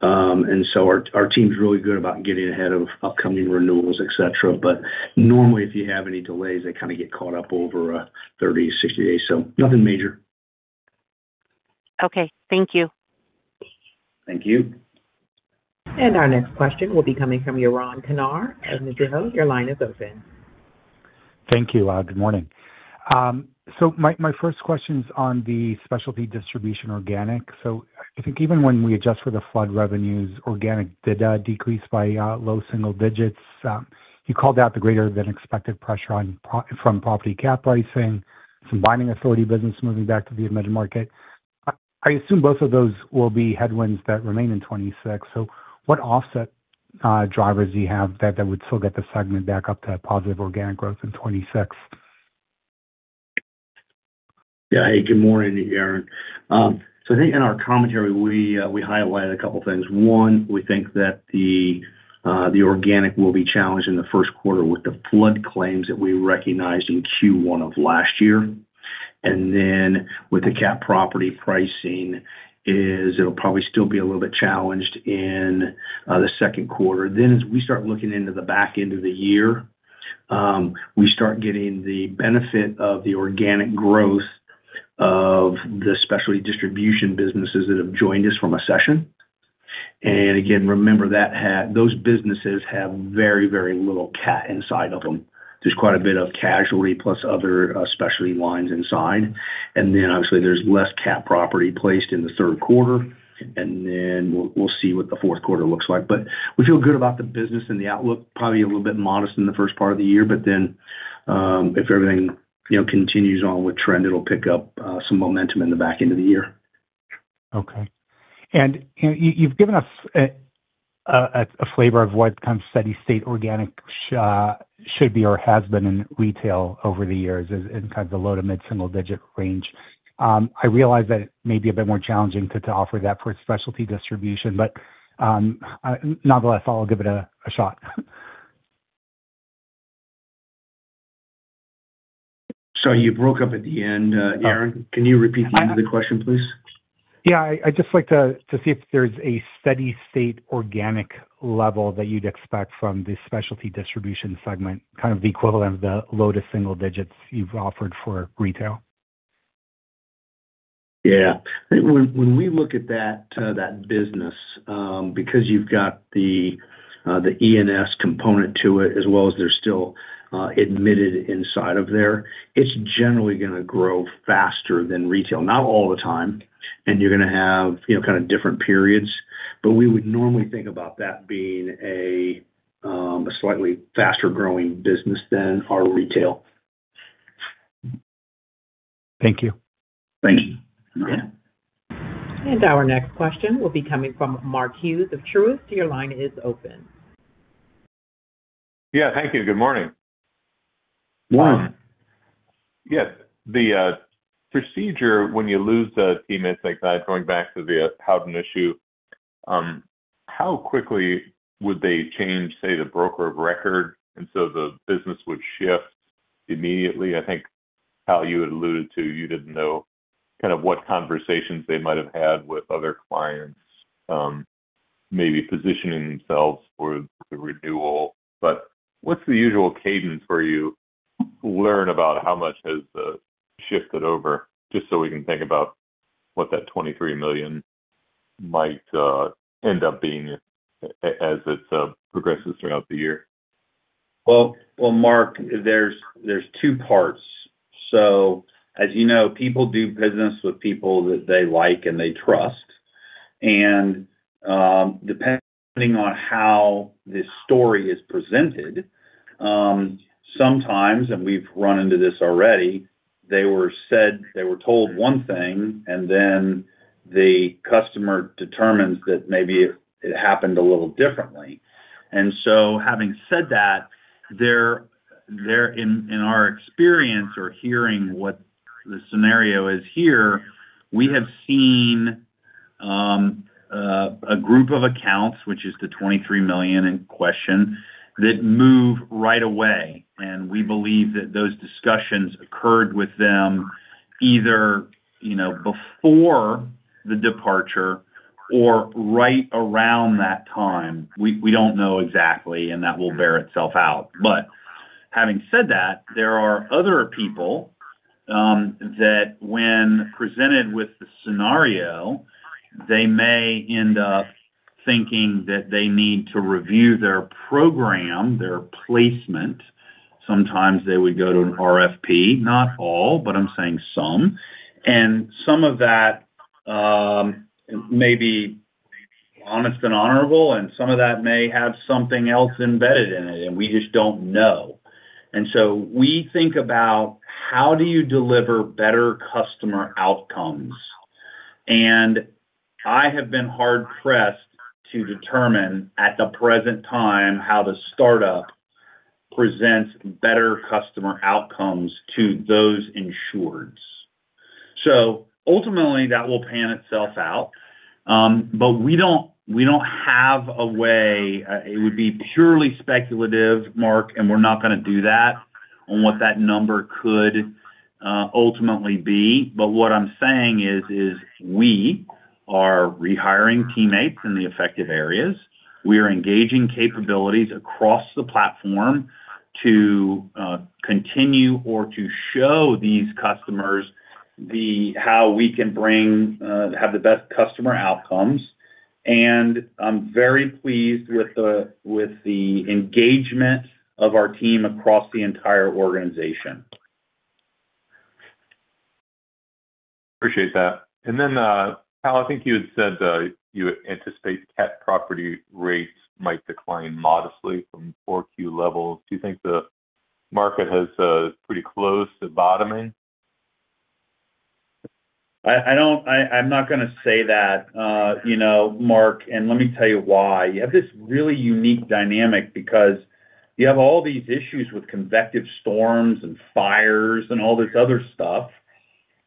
And so our team's really good about getting ahead of upcoming renewals, et cetera. But normally, if you have any delays, they kind of get caught up over 30, 60 days. So nothing major. Okay, thank you. Thank you. And our next question will be coming from Yaron Kinar of Jefferies. Your line is open. Thank you. Good morning. So my first question is on the Specialty Distribution organic. So I think even when we adjust for the flood revenues, organic did decrease by low single digits. You called out the greater than expected pressure on property cat pricing, some binding authority business moving back to the admitted market. I assume both of those will be headwinds that remain in 2026. So what offset drivers do you have that would still get the segment back up to positive organic growth in 2026? Yeah. Hey, good morning, Yaron. So I think in our commentary, we, we highlighted a couple things. One, we think that the, the organic will be challenged in the first quarter with the flood claims that we recognized in Q1 of last year. And then, with the cat property pricing is, it'll probably still be a little bit challenged in, the second quarter. Then as we start looking into the back end of the year, we start getting the benefit of the organic growth of the Specialty Distribution businesses that have joined us from Accession. And again, remember, those businesses have very, very little cat inside of them. There's quite a bit of casualty plus other, specialty lines inside. And then, obviously, there's less cat property placed in the third quarter, and then we'll, we'll see what the fourth quarter looks like. But we feel good about the business and the outlook. Probably a little bit modest in the first part of the year, but then, if everything, you know, continues on with trend, it'll pick up some momentum in the back end of the year. Okay. And you, you've given us a flavor of what kind of steady state organic growth should be or has been in Retail over the years, is in kind of the low- to mid-single-digit range. I realize that it may be a bit more challenging to offer that for Specialty Distribution, but nonetheless, I'll give it a shot. Sorry, you broke up at the end, Yaron. Oh. Can you repeat the end of the question, please? Yeah, I'd just like to see if there's a steady state organic level that you'd expect from the Specialty Distribution segment, kind of the equivalent of the low to single digits you've offered for Retail. Yeah. I think when we look at that business, because you've got the E&S component to it, as well as there's still admitted inside of there, it's generally gonna grow faster than Retail. Not all the time, and you're gonna have, you know, kind of different periods, but we would normally think about that being a slightly faster growing business than our Retail. Thank you. Thank you. Okay. Our next question will be coming from Mark Hughes of Truist. Your line is open. Yeah, thank you. Good morning. Morning. Yes. The procedure when you lose a team, I think, going back to the Howden issue, how quickly would they change, say, the broker of record, and so the business would shift immediately? I think, Powell, you had alluded to, you didn't know kind of what conversations they might have had with other clients, maybe positioning themselves for the renewal. But what's the usual cadence where you learn about how much has shifted over, just so we can think about what that $23 million might end up being as it progresses throughout the year? Well, well, Mark, there's two parts. So as you know, people do business with people that they like and they trust. And, depending on how this story is presented, sometimes, and we've run into this already, they were said... they were told one thing, and then the customer determines that maybe it happened a little differently. And so having said that, there, in our experience or hearing what the scenario is here, we have seen a group of accounts, which is the $23 million in question, that move right away, and we believe that those discussions occurred with them either, you know, before the departure or right around that time. We don't know exactly, and that will bear itself out. But having said that, there are other people, that when presented with the scenario, they may end up thinking that they need to review their program, their placement. Sometimes they would go to an RFP, not all, but I'm saying some. And some of that, may be honest and honorable, and some of that may have something else embedded in it, and we just don't know. And so we think about: How do you deliver better customer outcomes? I have been hard-pressed to determine at the present time, how the startup presents better customer outcomes to those insureds. So ultimately, that will play itself out. But we don't, we don't have a way. It would be purely speculative, Mark, and we're not going to do that, on what that number could ultimately be. But what I'm saying is we are rehiring teammates in the affected areas. We are engaging capabilities across the platform to continue or to show these customers the how we can bring have the best customer outcomes. And I'm very pleased with the engagement of our team across the entire organization. Appreciate that. Then, Al, I think you had said that you anticipate cat property rates might decline modestly from 4Q levels. Do you think the market has pretty close to bottoming? I'm not going to say that, you know, Mark, and let me tell you why. You have this really unique dynamic because you have all these issues with convective storms and fires and all this other stuff.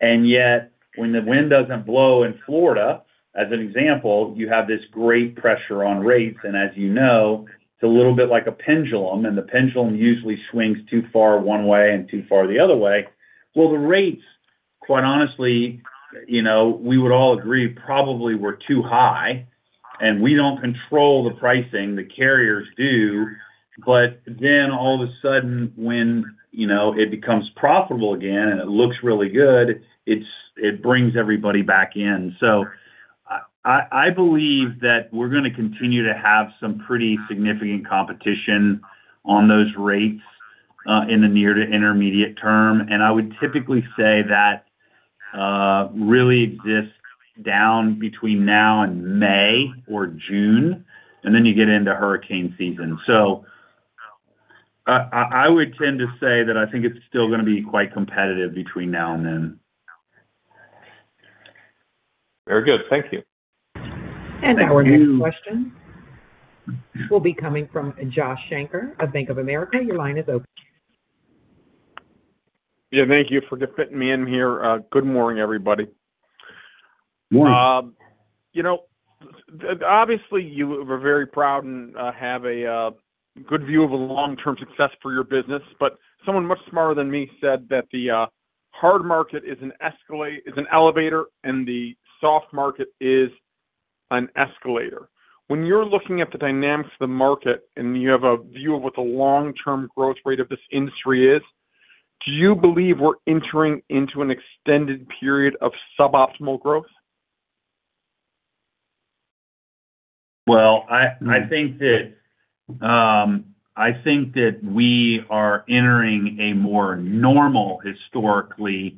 And yet, when the wind doesn't blow in Florida, as an example, you have this great pressure on rates. And as you know, it's a little bit like a pendulum, and the pendulum usually swings too far one way and too far the other way. Well, the rates, quite honestly, you know, we would all agree, probably were too high, and we don't control the pricing the carriers do. But then all of a sudden, when, you know, it becomes profitable again, and it looks really good, it's it brings everybody back in. So I believe that we're going to continue to have some pretty significant competition on those rates in the near to intermediate term. I would typically say that really exists down between now and May or June, and then you get into hurricane season. I would tend to say that I think it's still going to be quite competitive between now and then. Very good. Thank you. Our next question will be coming from Josh Shanker of Bank of America. Your line is open. Yeah, thank you for fitting me in here. Good morning, everybody. Morning. You know, obviously, you are very proud and have a good view of the long-term success for your business. But someone much smarter than me said that the hard market is an elevator, and the soft market is an escalator. When you're looking at the dynamics of the market, and you have a view of what the long-term growth rate of this industry is, do you believe we're entering into an extended period of suboptimal growth? Well, I think that I think that we are entering a more normal, historical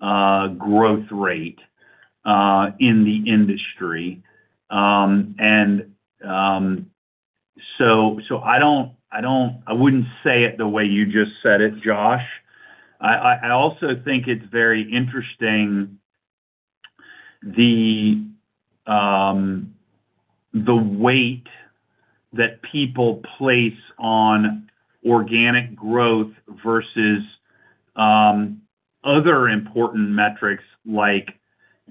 growth rate in the industry. So, I don't, I don't... I wouldn't say it the way you just said it, Josh. I also think it's very interesting, the weight that people place on organic growth versus other important metrics like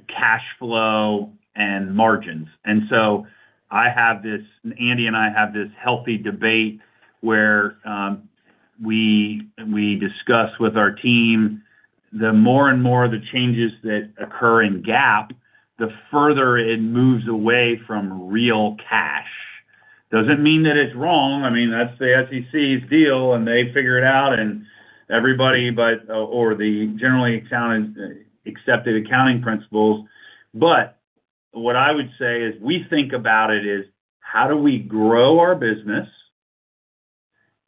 cash flow and margins. And so I have this, Andy and I have this healthy debate where we discuss with our team, the more and more the changes that occur in GAAP, the further it moves away from real cash. Doesn't mean that it's wrong. I mean, that's the SEC's deal, and they figure it out and everybody, but or the generally accepted accounting principles. But what I would say is, we think about it is: how do we grow our business?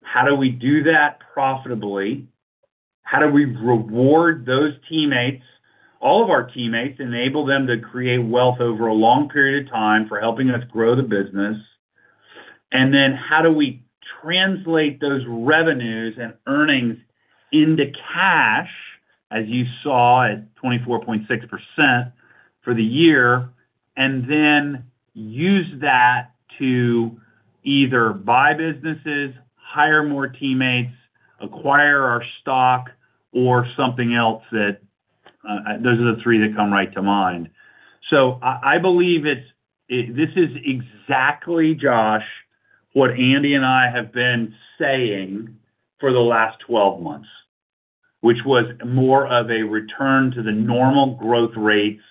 How do we do that profitably? How do we reward those teammates, all of our teammates, enable them to create wealth over a long period of time for helping us grow the business? And then, how do we translate those revenues and earnings into cash, as you saw at 24.6% for the year, and then use that to either buy businesses, hire more teammates, acquire our stock or something else that, Those are the three that come right to mind. So I believe it's, this is exactly, Josh, what Andy and I have been saying for the last 12 months, which was more of a return to the normal growth rates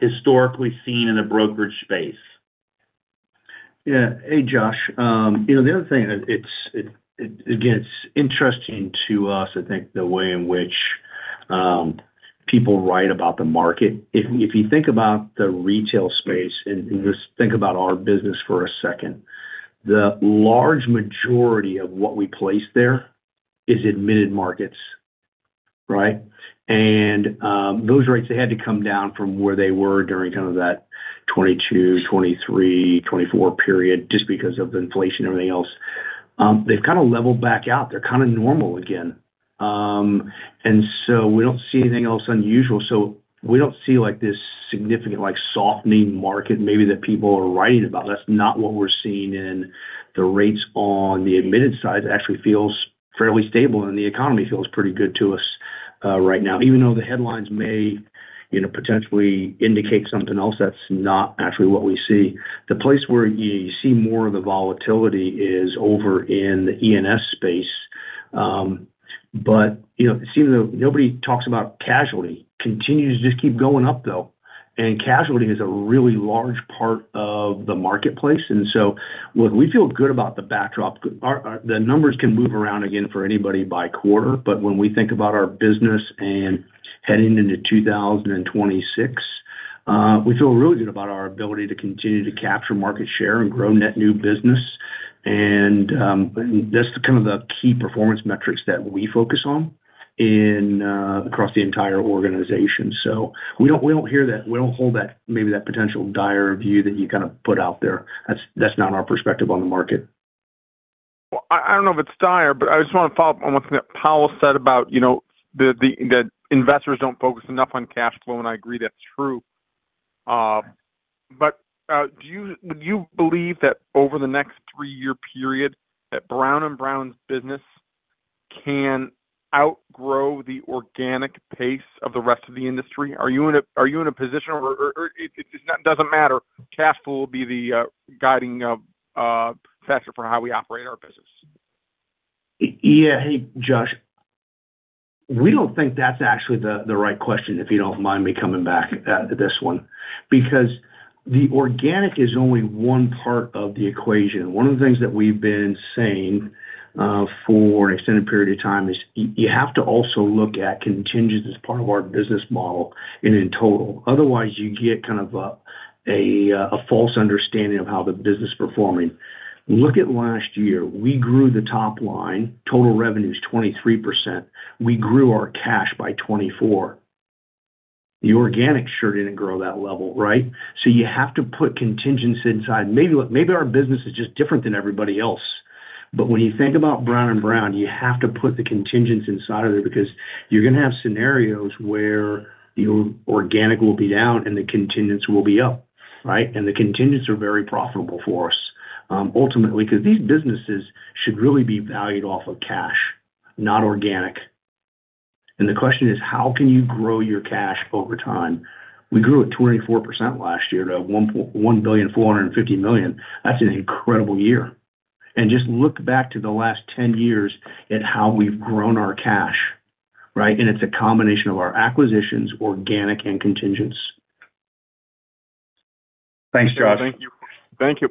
historically seen in the brokerage space. Yeah. Hey, Josh. You know, the other thing, it's, it gets interesting to us, I think, the way in which people write about the market. If you think about the Retail space and just think about our business for a second, the large majority of what we place there is admitted markets, right? And those rates, they had to come down from where they were during kind of that 2022, 2023, 2024 period, just because of the inflation and everything else.... They've kind of leveled back out. They're kind of normal again. And so we don't see anything else unusual. So we don't see, like, this significant, like, softening market maybe that people are writing about. That's not what we're seeing in the rates on the admitted side. It actually feels fairly stable, and the economy feels pretty good to us, right now. Even though the headlines may, you know, potentially indicate something else, that's not actually what we see. The place where you see more of the volatility is over in the E&S space. But, you know, it seems that nobody talks about casualty, continues to just keep going up, though. And casualty is a really large part of the marketplace, and so what we feel good about the backdrop. Our numbers can move around again for anybody by quarter, but when we think about our business and heading into 2026, we feel really good about our ability to continue to capture market share and grow net new business. And, that's kind of the key performance metrics that we focus on in, across the entire organization. So we don't, we don't hear that, we don't hold that, maybe that potential dire view that you kind of put out there. That's, that's not our perspective on the market. Well, I don't know if it's dire, but I just want to follow up on what Powell said about, you know, the that investors don't focus enough on cash flow, and I agree that's true. But, do you, would you believe that over the next three-year period, that Brown & Brown's business can outgrow the organic pace of the rest of the industry? Are you in a position or it doesn't matter, cash flow will be the guiding factor for how we operate our business? Yeah. Hey, Josh, we don't think that's actually the right question, if you don't mind me coming back at this one, because the organic is only one part of the equation. One of the things that we've been saying for an extended period of time is you have to also look at contingent as part of our business model and in total. Otherwise, you get kind of a false understanding of how the business is performing. Look at last year, we grew the top line, total revenues, 23%. We grew our cash by 24. The organic sure didn't grow that level, right? So you have to put contingents inside. Maybe our business is just different than everybody else. But when you think about Brown & Brown, you have to put the contingents inside of it because you're going to have scenarios where the organic will be down and the contingents will be up, right? And the contingents are very profitable for us, ultimately, because these businesses should really be valued off of cash, not organic. And the question is: How can you grow your cash over time? We grew at 24% last year to $1.45 billion. That's an incredible year. And just look back to the last 10 years at how we've grown our cash, right? And it's a combination of our acquisitions, organic and contingents. Thanks, Josh. Thank you. Thank you.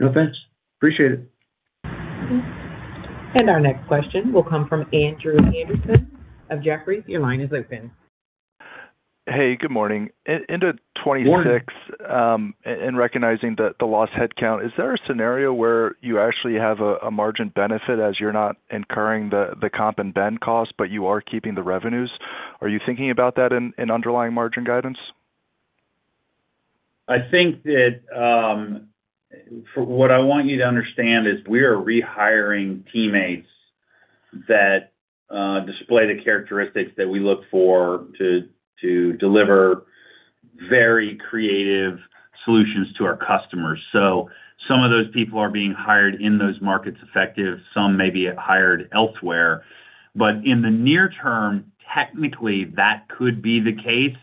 No offense. Appreciate it. Our next question will come from Andrew Andersen of Jefferies. Your line is open. Hey, good morning. Into 2026, in recognizing the lost headcount, is there a scenario where you actually have a margin benefit as you're not incurring the comp and benefits costs, but you are keeping the revenues? Are you thinking about that in underlying margin guidance? I think that, for what I want you to understand is we are rehiring teammates that display the characteristics that we look for to deliver very creative solutions to our customers. So some of those people are being hired in those markets effective, some may be hired elsewhere. But in the near term, technically, that could be the case,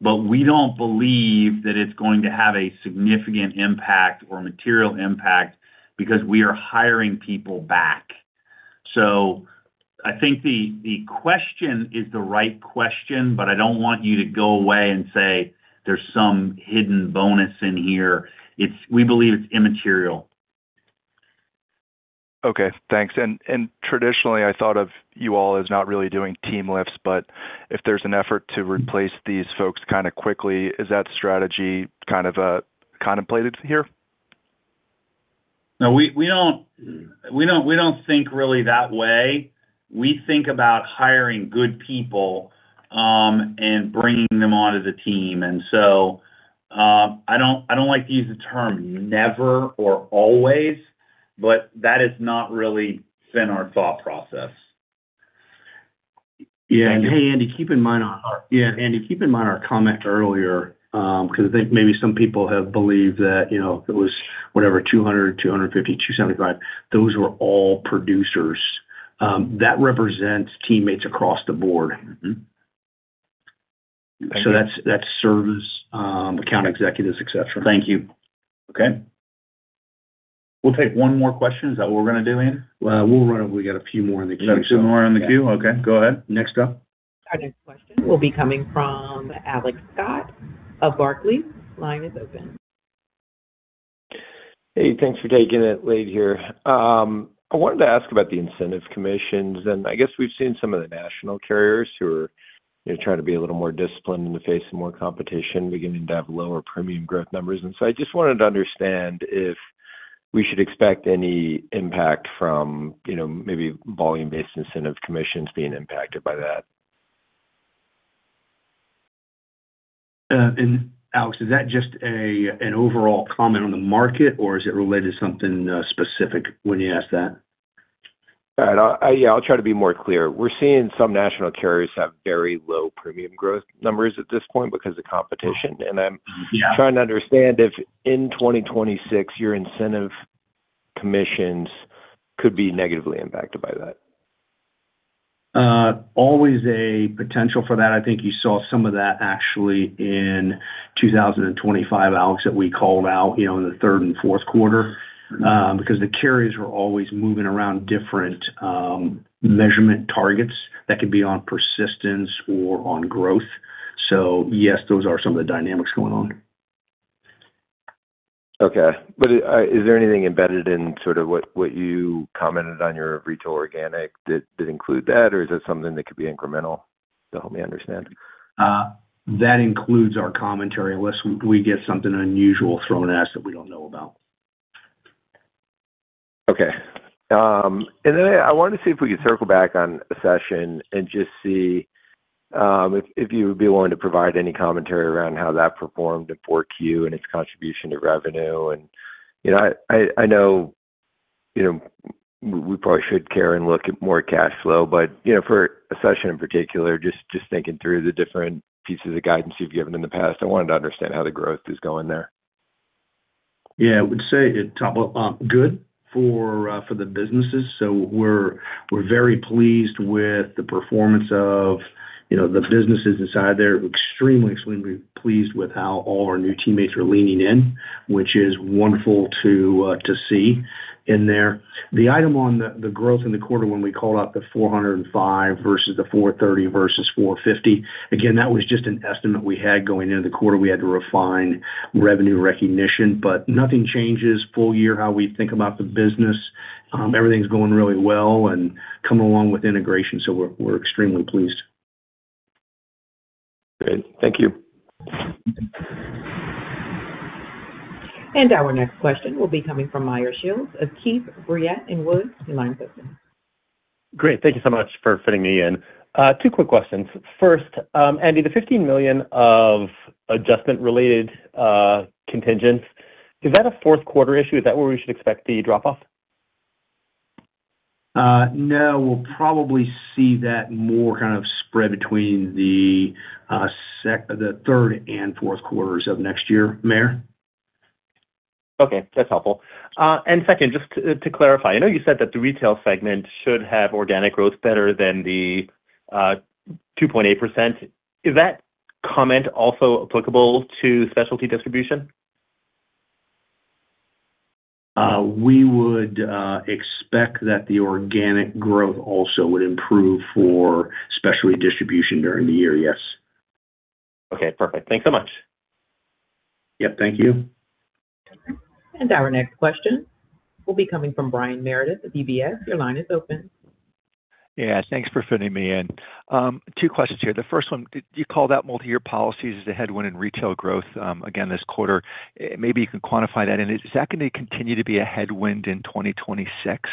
but we don't believe that it's going to have a significant impact or material impact because we are hiring people back. So I think the question is the right question, but I don't want you to go away and say there's some hidden bonus in here. It's, we believe it's immaterial. Okay, thanks. And traditionally, I thought of you all as not really doing team lifts, but if there's an effort to replace these folks kind of quickly, is that strategy kind of contemplated here? No, we don't think really that way. We think about hiring good people and bringing them onto the team. And so, I don't like to use the term never or always, but that has not really been our thought process. Yeah. Hey, Andy, keep in mind our comment earlier, because I think maybe some people have believed that, you know, it was whatever, 200, 250, 275, those were all producers. That represents teammates across the board. Mm-hmm. Thank you. So that's, that's service, account executives, et cetera. Thank you. Okay. We'll take one more question. Is that what we're going to do, Ian? We'll run it. We got a few more in the queue. So a few more in the queue? Yeah. Okay, go ahead. Next up. Our next question will be coming from Alex Scott of Barclays. Line is open. Hey, thanks for taking it late here. I wanted to ask about the incentive commissions, and I guess we've seen some of the national carriers who are, you know, trying to be a little more disciplined in the face of more competition, beginning to have lower premium growth numbers. And so I just wanted to understand if we should expect any impact from, you know, maybe volume-based incentive commissions being impacted by that?... and Alex, is that just a, an overall comment on the market, or is it related to something, specific when you ask that? All right, I, yeah, I'll try to be more clear. We're seeing some national carriers have very low premium growth numbers at this point because of competition. Mm-hmm. Yeah. I'm trying to understand if in 2026, your incentive commissions could be negatively impacted by that. Always a potential for that. I think you saw some of that actually in 2025, Alex, that we called out, you know, in the third and fourth quarter. Because the carriers are always moving around different measurement targets that could be on persistence or on growth. So yes, those are some of the dynamics going on. Okay. But, is there anything embedded in sort of what you commented on your Retail organic that include that, or is that something that could be incremental? So help me understand. That includes our commentary, unless we get something unusual thrown at us that we don't know about. Okay. And then I wanted to see if we could circle back on Accession and just see if you would be willing to provide any commentary around how that performed in 4Q and its contribution to revenue. And, you know, I know, you know, we probably should care and look at more cash flow, but, you know, for Accession in particular, just thinking through the different pieces of guidance you've given in the past, I wanted to understand how the growth is going there. Yeah, I would say it top good for the businesses. So we're, we're very pleased with the performance of, you know, the businesses inside there. Extremely, extremely pleased with how all our new teammates are leaning in, which is wonderful to see in there. The item on the growth in the quarter when we called out the $405 versus the $430 versus $450, again, that was just an estimate we had going into the quarter. We had to refine revenue recognition, but nothing changes full year, how we think about the business. Everything's going really well and coming along with integration, so we're, we're extremely pleased. Great. Thank you. Our next question will be coming from Meyer Shields of Keefe, Bruyette & Woods. Your line is open. Great. Thank you so much for fitting me in. Two quick questions. First, Andy, the $15 million of adjustment-related contingents, is that a fourth quarter issue? Is that where we should expect the drop-off? No, we'll probably see that more kind of spread between the third and fourth quarters of next year, Meyer. Okay, that's helpful. And second, just to clarify, I know you said that the Retail segment should have organic growth better than the 2.8%. Is that comment also applicable to Specialty Distribution? We would expect that the organic growth also would improve for Specialty Distribution during the year, yes. Okay, perfect. Thanks so much. Yep, thank you. Our next question will be coming from Brian Meredith of UBS. Your line is open. Yeah, thanks for fitting me in. Two questions here. The first one, did you call out multi-year policies as a headwind in Retail growth, again, this quarter. Maybe you can quantify that. And is that going to continue to be a headwind in 2026?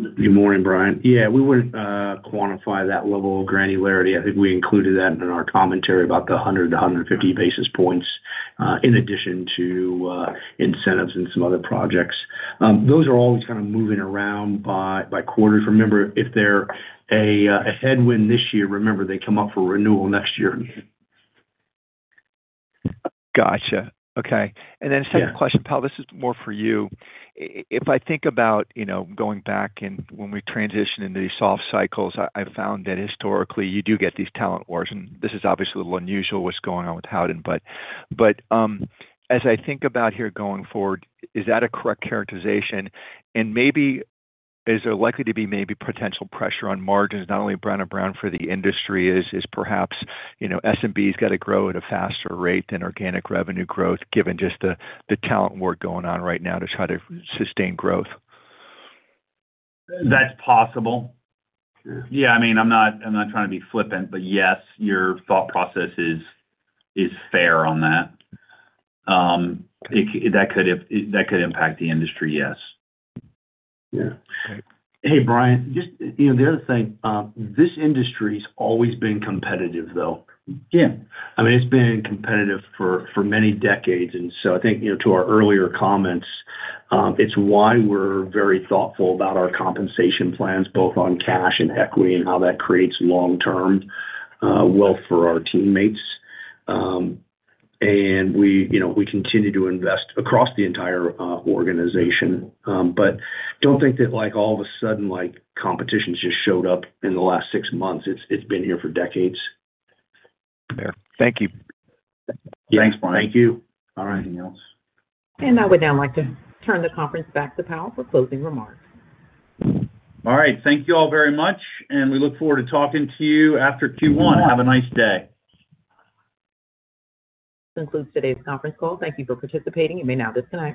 Good morning, Brian. Yeah, we wouldn't quantify that level of granularity. I think we included that in our commentary about the 100-150 basis points, in addition to incentives and some other projects. Those are all kind of moving around by quarter. Remember, if they're a headwind this year, remember, they come up for renewal next year. Gotcha. Okay. Yeah. And then second question, Powell, this is more for you. I if I think about, you know, going back and when we transitioned into these soft cycles, I found that historically, you do get these talent wars, and this is obviously a little unusual, what's going on with Howden. But, as I think about here going forward, is that a correct characterization? And maybe is there likely to be maybe potential pressure on margins, not only Brown & Brown for the industry, is perhaps, you know, B&B got to grow at a faster rate than organic revenue growth, given just the talent war going on right now to try to sustain growth? That's possible. Sure. Yeah, I mean, I'm not, I'm not trying to be flippant, but yes, your thought process is, is fair on that. That could, if that could impact the industry, yes. Yeah. Hey, Brian, just, you know, the other thing, this industry's always been competitive, though. Yeah. I mean, it's been competitive for, for many decades. And so I think, you know, to our earlier comments, it's why we're very thoughtful about our compensation plans, both on cash and equity and how that creates long-term, wealth for our teammates. And we, you know, we continue to invest across the entire, organization, but don't think that, like, all of a sudden, like, competition's just showed up in the last six months. It's, it's been here for decades. Yeah. Thank you. Thanks, Brian. Thank you. All right, anything else? I would now like to turn the conference back to Powell for closing remarks. All right. Thank you all very much, and we look forward to talking to you after Q1. Have a nice day. This concludes today's conference call. Thank you for participating. You may now disconnect.